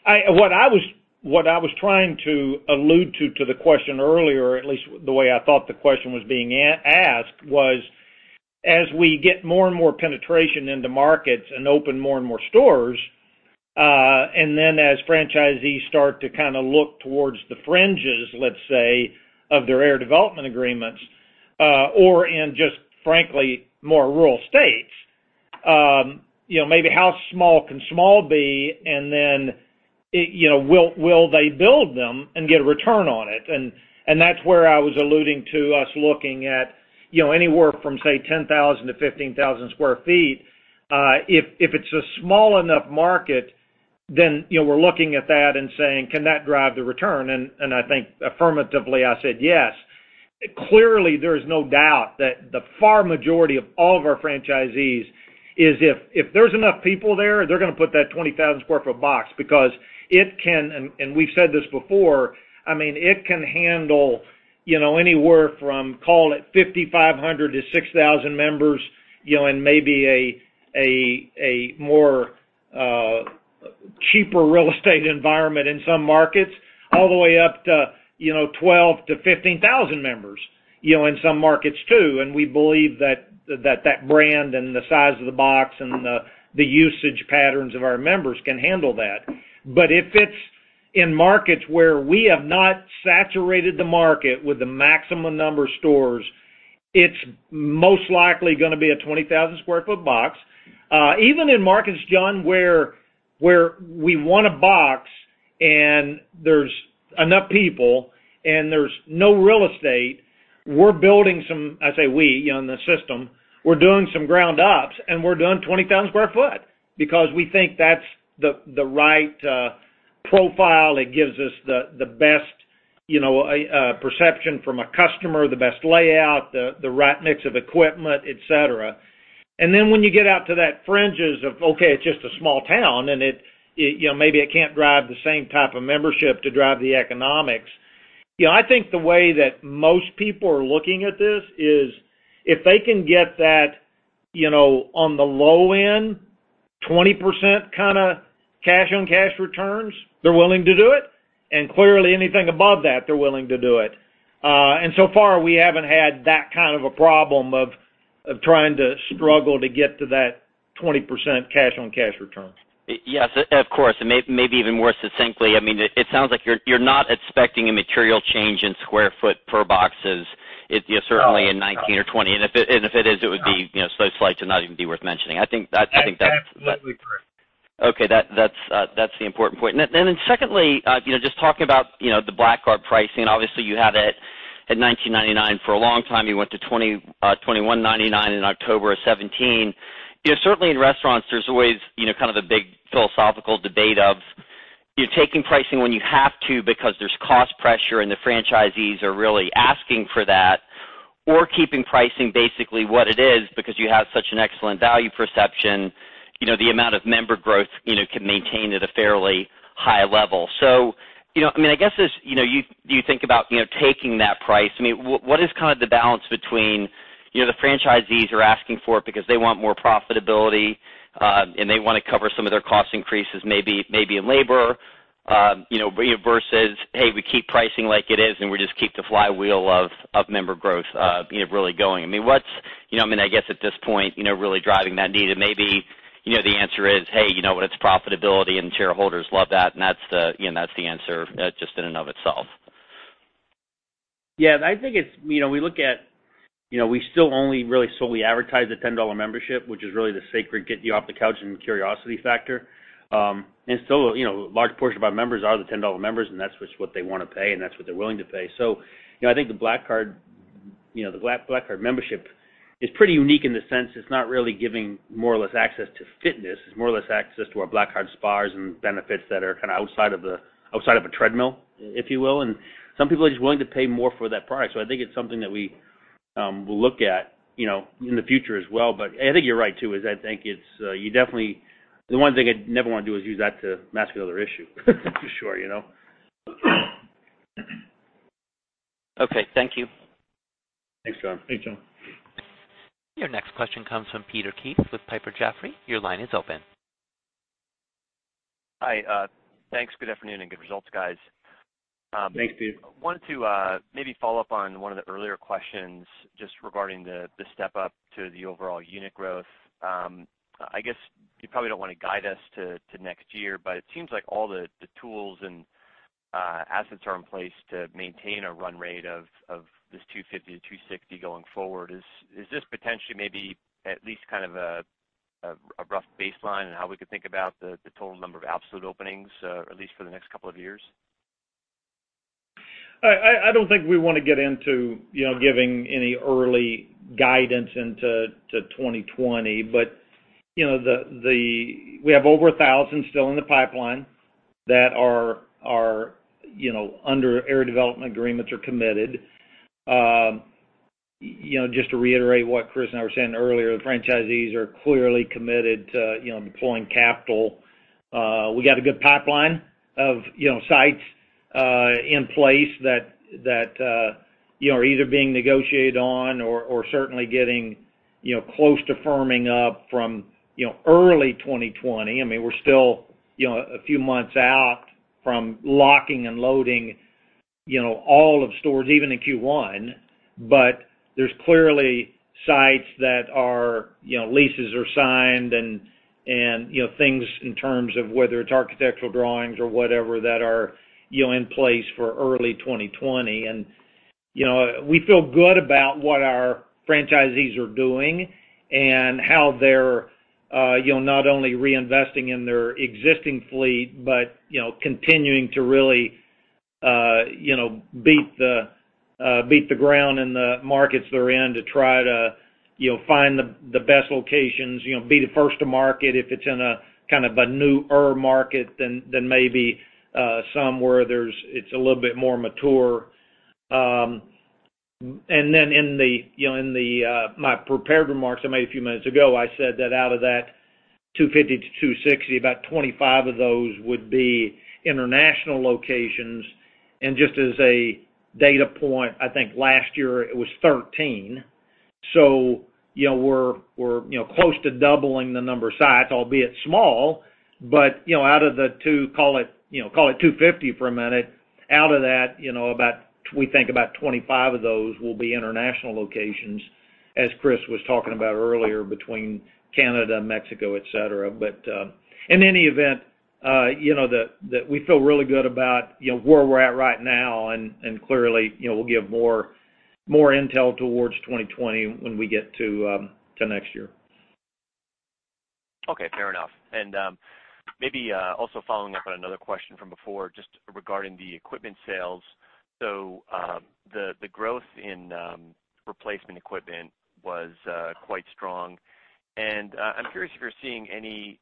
sq ft. What I was trying to allude to the question earlier, at least the way I thought the question was being asked, was, as we get more and more penetration into markets and open more and more stores, as franchisees start to look towards the fringes, let's say, of their area development agreements, or in just frankly more rural states, maybe how small can small be and then, will they build them and get a return on it? That's where I was alluding to us looking at anywhere from, say, 10,000-15,000 sq ft. If it's a small enough market, then we're looking at that and saying, "Can that drive the return?" I think affirmatively I said, yes. Clearly, there is no doubt that the far majority of all of our franchisees is if there's enough people there, they're going to put that 20,000 sq ft box because it can, and we've said this before, it can handle anywhere from, call it 5,500-6,000 members, in maybe a more cheaper real estate environment in some markets, all the way up to 12,000-15,000 members in some markets, too. We believe that brand and the size of the box and the usage patterns of our members can handle that. If it's in markets where we have not saturated the market with the maximum number of stores, it's most likely going to be a 20,000 sq ft box. Even in markets, John, where we want a box and there's enough people and there's no real estate. We're building some, I say we, on the system, we're doing some ground ups, we're doing 20,000 sq ft because we think that's the right profile. It gives us the best perception from a customer, the best layout, the right mix of equipment, et cetera. Then when you get out to that fringes of, okay, it's just a small town, and maybe it can't drive the same type of membership to drive the economics. I think the way that most people are looking at this is if they can get that on the low end, 20% kind of cash-on-cash returns, they're willing to do it. Clearly anything above that, they're willing to do it. So far, we haven't had that kind of a problem of trying to struggle to get to that 20% cash-on-cash returns. Yes, of course. Maybe even more succinctly, it sounds like you're not expecting a material change in square foot per boxes, certainly in 2019 or 2020. If it is, it would be so slight to not even be worth mentioning. That's absolutely correct. Okay. That's the important point. Secondly, just talking about the Black Card pricing, obviously you had it at $19.99 for a long time. You went to $21.99 in October of 2017. Certainly in restaurants, there's always kind of the big philosophical debate of, you're taking pricing when you have to because there's cost pressure and the franchisees are really asking for that, or keeping pricing basically what it is because you have such an excellent value perception, the amount of member growth can maintain at a fairly high level. I guess as you think about taking that price, what is kind of the balance between, the franchisees are asking for it because they want more profitability, and they want to cover some of their cost increases, maybe in labor, versus, "Hey, we keep pricing like it is, and we just keep the flywheel of member growth really going." I guess at this point, really driving that need, and maybe the answer is, "Hey, you know what, it's profitability and shareholders love that," and that's the answer just in and of itself? Yeah, we still only really solely advertise the $10 membership, which is really the sacred get you off the couch and curiosity factor. Still, a large portion of our members are the $10 members, and that's what they want to pay, and that's what they're willing to pay. I think the Black Card membership is pretty unique in the sense it's not really giving more or less access to fitness. It's more or less access to our Black Card spas and benefits that are kind of outside of a treadmill, if you will, and some people are just willing to pay more for that product. I think it's something that we will look at in the future as well. I think you're right, too, the one thing I'd never want to do is use that to mask another issue for sure. Okay. Thank you. Thanks, John. Thanks, John. Your next question comes from Peter Keith with Piper Jaffray. Your line is open. Hi. Thanks. Good afternoon. Good results, guys. Thanks, Pete. Wanted to maybe follow-up on one of the earlier questions just regarding the step-up to the overall unit growth. I guess you probably don't want to guide us to next year, but it seems like all the tools and assets are in place to maintain a run rate of this 250-260 going forward. Is this potentially maybe at least kind of a rough baseline on how we could think about the total number of absolute openings, at least for the next couple of years? I don't think we want to get into giving any early guidance into 2020. We have over 1,000 still in the pipeline that are under area development agreements or committed. Just to reiterate what Chris and I were saying earlier, the franchisees are clearly committed to deploying capital. We got a good pipeline of sites in place that are either being negotiated on or certainly getting close to firming up from early 2020. We're still a few months out from locking and loading all of stores, even in Q1. There's clearly sites that are leases are signed and things in terms of whether it's architectural drawings or whatever that are in place for early 2020. We feel good about what our franchisees are doing and how they're not only reinvesting in their existing fleet, but continuing to really beat the ground in the markets they're in to try to find the best locations, be the first to market if it's in a kind of a newer market than maybe some where it's a little bit more mature. In my prepared remarks I made a few minutes ago, I said that out of that 250-260, about 25 of those would be international locations. Just as a data point, I think last year it was 13. We're close to doubling the number of sites, albeit small, but out of the two, call it 250 for a minute, out of that, we think about 25 of those will be international locations, as Chris was talking about earlier, between Canada, Mexico, et cetera. In any event, we feel really good about where we're at right now, and clearly, we'll give more intel towards 2020 when we get to next year. Okay, fair enough. Maybe also following up on another question from before, just regarding the equipment sales. The growth in replacement equipment was quite strong, and I'm curious if you're seeing any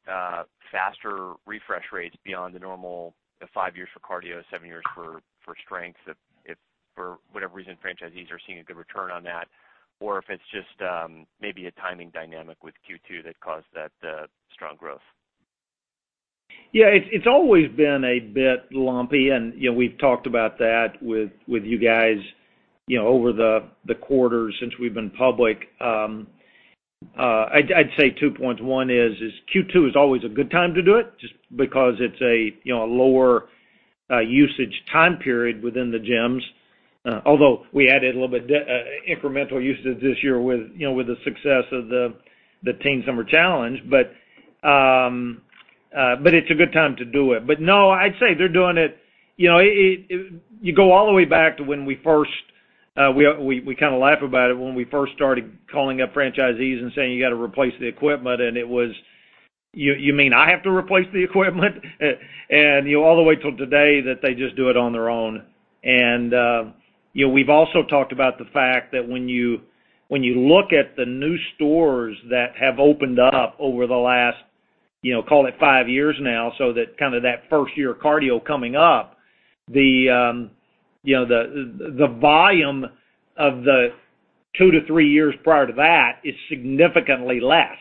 faster refresh rates beyond the normal five years for cardio, seven years for strength, if for whatever reason franchisees are seeing a good return on that, or if it's just maybe a timing dynamic with Q2 that caused that strong growth. Yeah. It's always been a bit lumpy, and we've talked about that with you guys over the quarters since we've been public. I'd say two points. One is, Q2 is always a good time to do it just because it's a lower usage time period within the gyms. Although we added a little bit incremental usage this year with the success of the Teen Summer Challenge. It's a good time to do it. You go all the way back to when we first, we kind of laugh about it, when we first started calling up franchisees and saying, "You got to replace the equipment." It was, "You mean I have to replace the equipment?" All the way till today that they just do it on their own. We've also talked about the fact that when you look at the new stores that have opened up over the last call it five years now, so that kind of that first year cardio coming up, the volume of the two to three years prior to that is significantly less.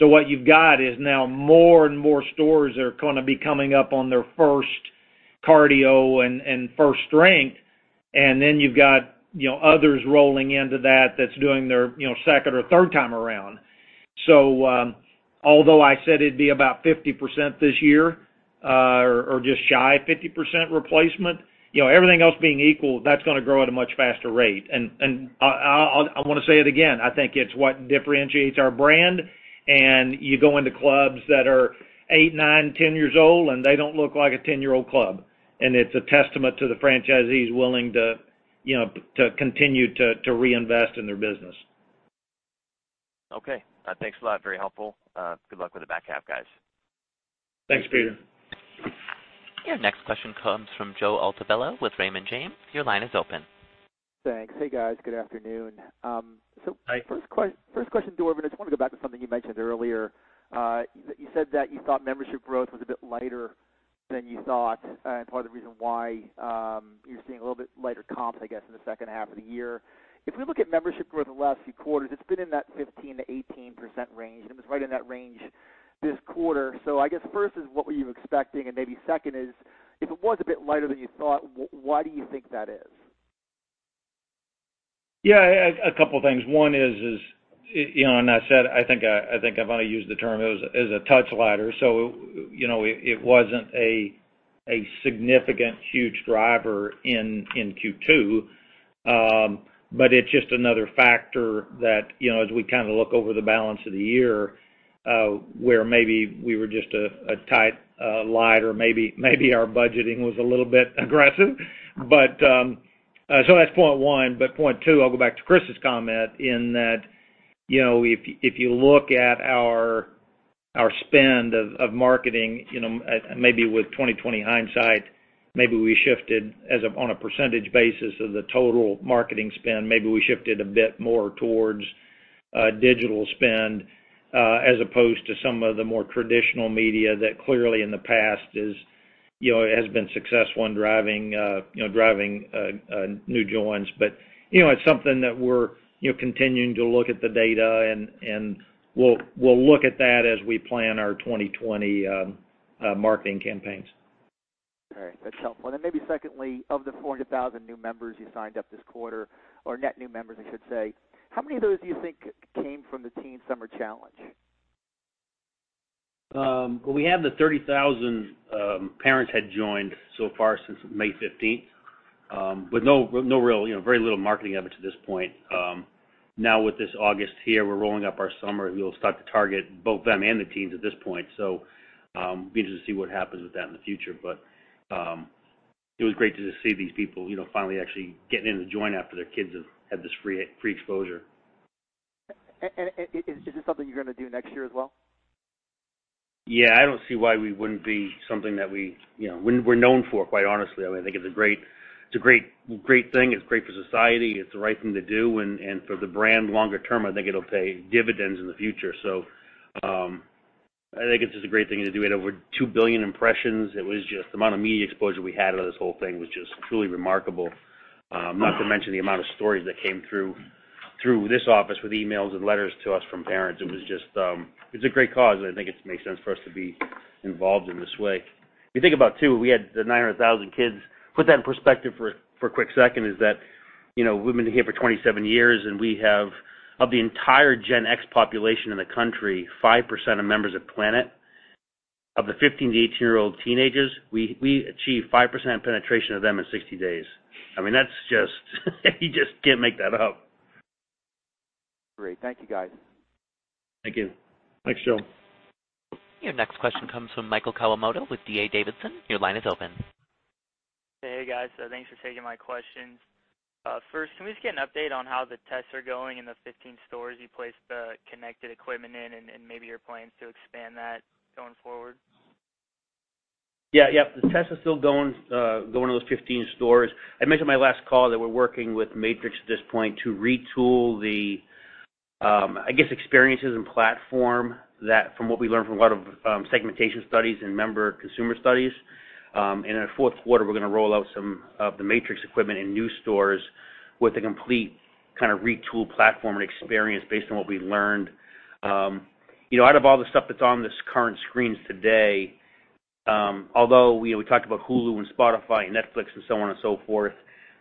What you've got is now more and more stores are going to be coming up on their first cardio and first strength, and then you've got others rolling into that's doing their second or third time around. Although I said it'd be about 50% this year, or just shy of 50% replacement, everything else being equal, that's going to grow at a much faster rate. I want to say it again, I think it's what differentiates our brand. You go into clubs that are eight, nine, 10 years old, and they don't look like a 10-year-old club. It's a testament to the franchisees willing to continue to reinvest in their business. Okay. Thanks a lot. Very helpful. Good luck with the back half, guys. Thanks, Peter. Your next question comes from Joe Altobello with Raymond James. Your line is open. Thanks. Hey, guys. Good afternoon. Hi. First question to Dorvin, I just want to go back to something you mentioned earlier. You said that you thought membership growth was a bit lighter than you thought, and part of the reason why you're seeing a little bit lighter comps, I guess, in the second half of the year. If we look at membership growth in the last few quarters, it's been in that 15%-18% range, and it was right in that range this quarter. I guess first is what were you expecting, and maybe second is, if it was a bit lighter than you thought, why do you think that is? Yeah. A couple of things. One is, I said, I think I've only used the term, it was a touch lighter. It wasn't a significant, huge driver in Q2. It's just another factor that, as we kind of look over the balance of the year, where maybe we were just a touch light, or maybe our budgeting was a little bit aggressive. That's point one, point two, I'll go back to Chris's comment in that, if you look at our spend of marketing, maybe with 2020 hindsight, maybe we shifted on a percentage basis of the total marketing spend, maybe we shifted a bit more towards digital spend, as opposed to some of the more traditional media that clearly in the past has been successful in driving new joins. It's something that we're continuing to look at the data, and we'll look at that as we plan our 2020 marketing campaigns. All right. That's helpful. Then maybe secondly, of the 400,000 new members you signed up this quarter, or net new members, I should say, how many of those do you think came from the Teen Summer Challenge? Well, we have the 30,000 parents had joined so far since May 15th, with very little marketing of it to this point. With this August here, we're rolling up our summer. We'll start to target both them and the teens at this point. It will be interesting to see what happens with that in the future. It was great to just see these people finally actually getting in the joint after their kids have had this free exposure. Is this something you're going to do next year as well? Yeah, I don't see why we wouldn't be something that we're known for, quite honestly. I think it's a great thing. It's great for society. It's the right thing to do. For the brand longer-term, I think it'll pay dividends in the future. I think it's just a great thing to do. We had over 2 billion impressions. The amount of media exposure we had out of this whole thing was just truly remarkable. Not to mention the amount of stories that came through this office with emails and letters to us from parents. It's a great cause, and I think it makes sense for us to be involved in this way. If you think about, too, we had the 900,000 kids. Put that in perspective for a quick second is that, we've been here for 27 years, and we have of the entire Gen X population in the country, 5% are members of Planet. Of the 15-18-year-old teenagers, we achieved 5% penetration of them in 60 days. You just can't make that up. Great. Thank you, guys. Thank you. Thanks, Joe. Your next question comes from Michael Kawamoto with D.A. Davidson. Your line is open. Hey, guys. Thanks for taking my questions. First, can we just get an update on how the tests are going in the 15 stores you placed the connected equipment in and maybe your plans to expand that going forward? The test is still going to those 15 stores. I mentioned in my last call that we're working with Matrix at this point to retool the, I guess, experiences and platform that from what we learned from a lot of segmentation studies and member consumer studies. In our fourth quarter, we're going to roll out some of the Matrix equipment in new stores with a complete kind of retooled platform and experience based on what we learned. Out of all the stuff that's on the current screens today, although we talked about Hulu and Spotify and Netflix and so on and so forth,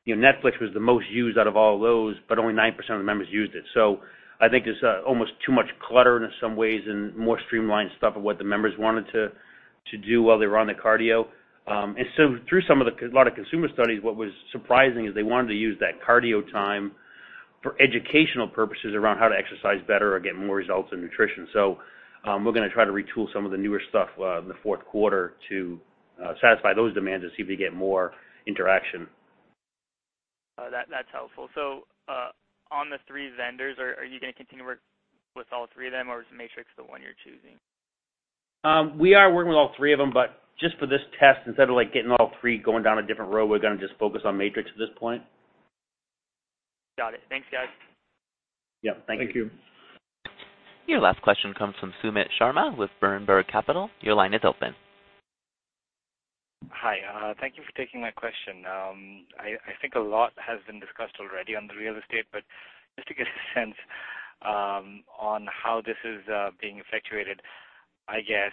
Netflix was the most used out of all those, but only 9% of the members used it. I think there's almost too much clutter in some ways and more streamlined stuff of what the members wanted to do while they were on the cardio. Through a lot of consumer studies, what was surprising is they wanted to use that cardio time for educational purposes around how to exercise better or get more results in nutrition. We're going to try to retool some of the newer stuff in the fourth quarter to satisfy those demands and see if we can get more interaction. That's helpful. On the three vendors, are you going to continue to work with all three of them, or is Matrix the one you're choosing? We are working with all three of them, but just for this test, instead of getting all three going down a different road, we're going to just focus on Matrix at this point. Got it. Thanks, guys. Yeah. Thank you. Thank you. Your last question comes from Sumit Sharma with Berenberg Capital. Your line is open. Hi. Thank you for taking my question. I think a lot has been discussed already on the real estate. Just to get a sense on how this is being effectuated, I guess,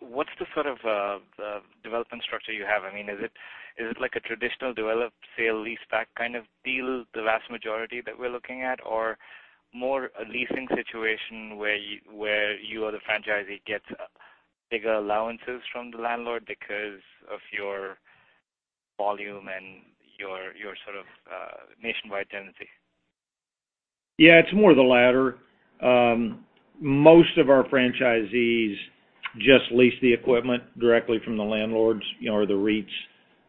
what's the sort of development structure you have? I mean, is it like a traditional develop sale-leaseback kind of deal, the vast majority that we're looking at, or more a leasing situation where you or the franchisee gets bigger allowances from the landlord because of your volume and your sort of nationwide tendency? It's more the latter. Most of our franchisees just lease the equipment directly from the landlords or the REITs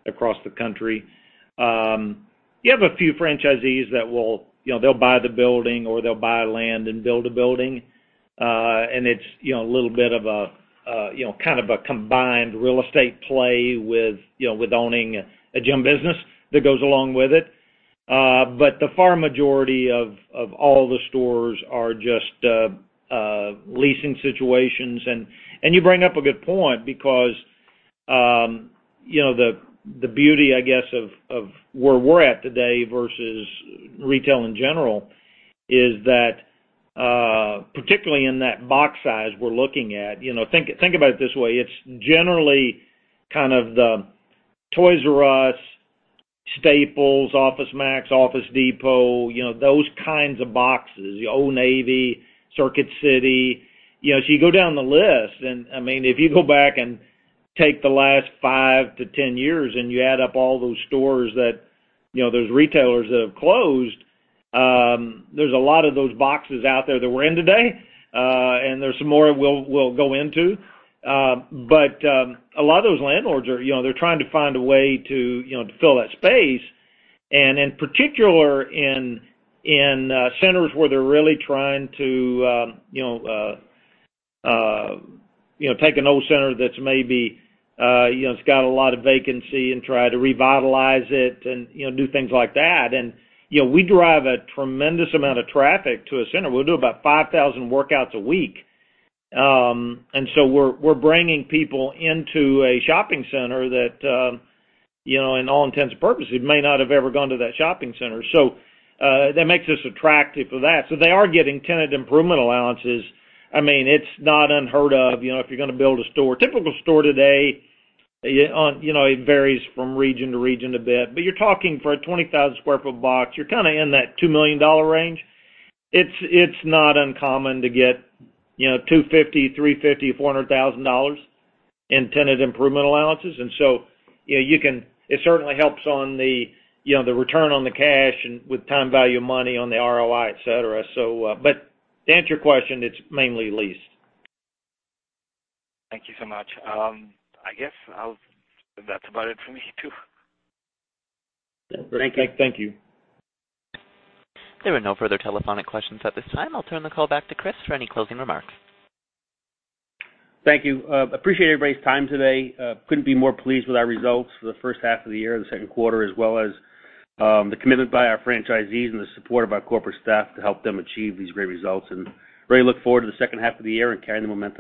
across the country. You have a few franchisees, they'll buy the building or they'll buy land and build a building. It's a little bit of a combined real estate play with owning a gym business that goes along with it. The far majority of all the stores are just leasing situations. You bring up a good point because the beauty, I guess, of where we're at today versus retail in general is that, particularly in that box size we're looking at, think about it this way, it's generally kind of the Toys”R”Us, Staples, OfficeMax, Office Depot, those kinds of boxes, the Old Navy, Circuit City. As you go down the list and, I mean, if you go back and take the last 5-10 years and you add up all those stores that, those retailers that have closed, there's a lot of those boxes out there that we're in today, and there's some more we'll go into. A lot of those landlords are trying to find a way to fill that space, and in particular, in centers where they're really trying to take an old center that's maybe got a lot of vacancy and try to revitalize it and do things like that. We drive a tremendous amount of traffic to a center. We'll do about 5,000 workouts a week. We're bringing people into a shopping center that, in all intents and purposes, may not have ever gone to that shopping center. That makes us attractive for that. They are getting tenant improvement allowances. I mean, it's not unheard of if you're going to build a store. Typical store today, it varies from region to region a bit, but you're talking for a 20,000 sq ft box, you're kind of in that $2 million range. It's not uncommon to get $250,000, $350,000, $400,000 in tenant improvement allowances. It certainly helps on the return on the cash and with time value money on the ROI, et cetera. To answer your question, it's mainly leased. Thank you so much. I guess that's about it for me, too. Great. Thank you. There are no further telephonic questions at this time. I'll turn the call back to Chris for any closing remarks. Thank you. Appreciate everybody's time today. Couldn't be more pleased with our results for the first half of the year, the second quarter, as well as the commitment by our franchisees and the support of our corporate staff to help them achieve these great results. Really look forward to the second half of the year and carrying the momentum on.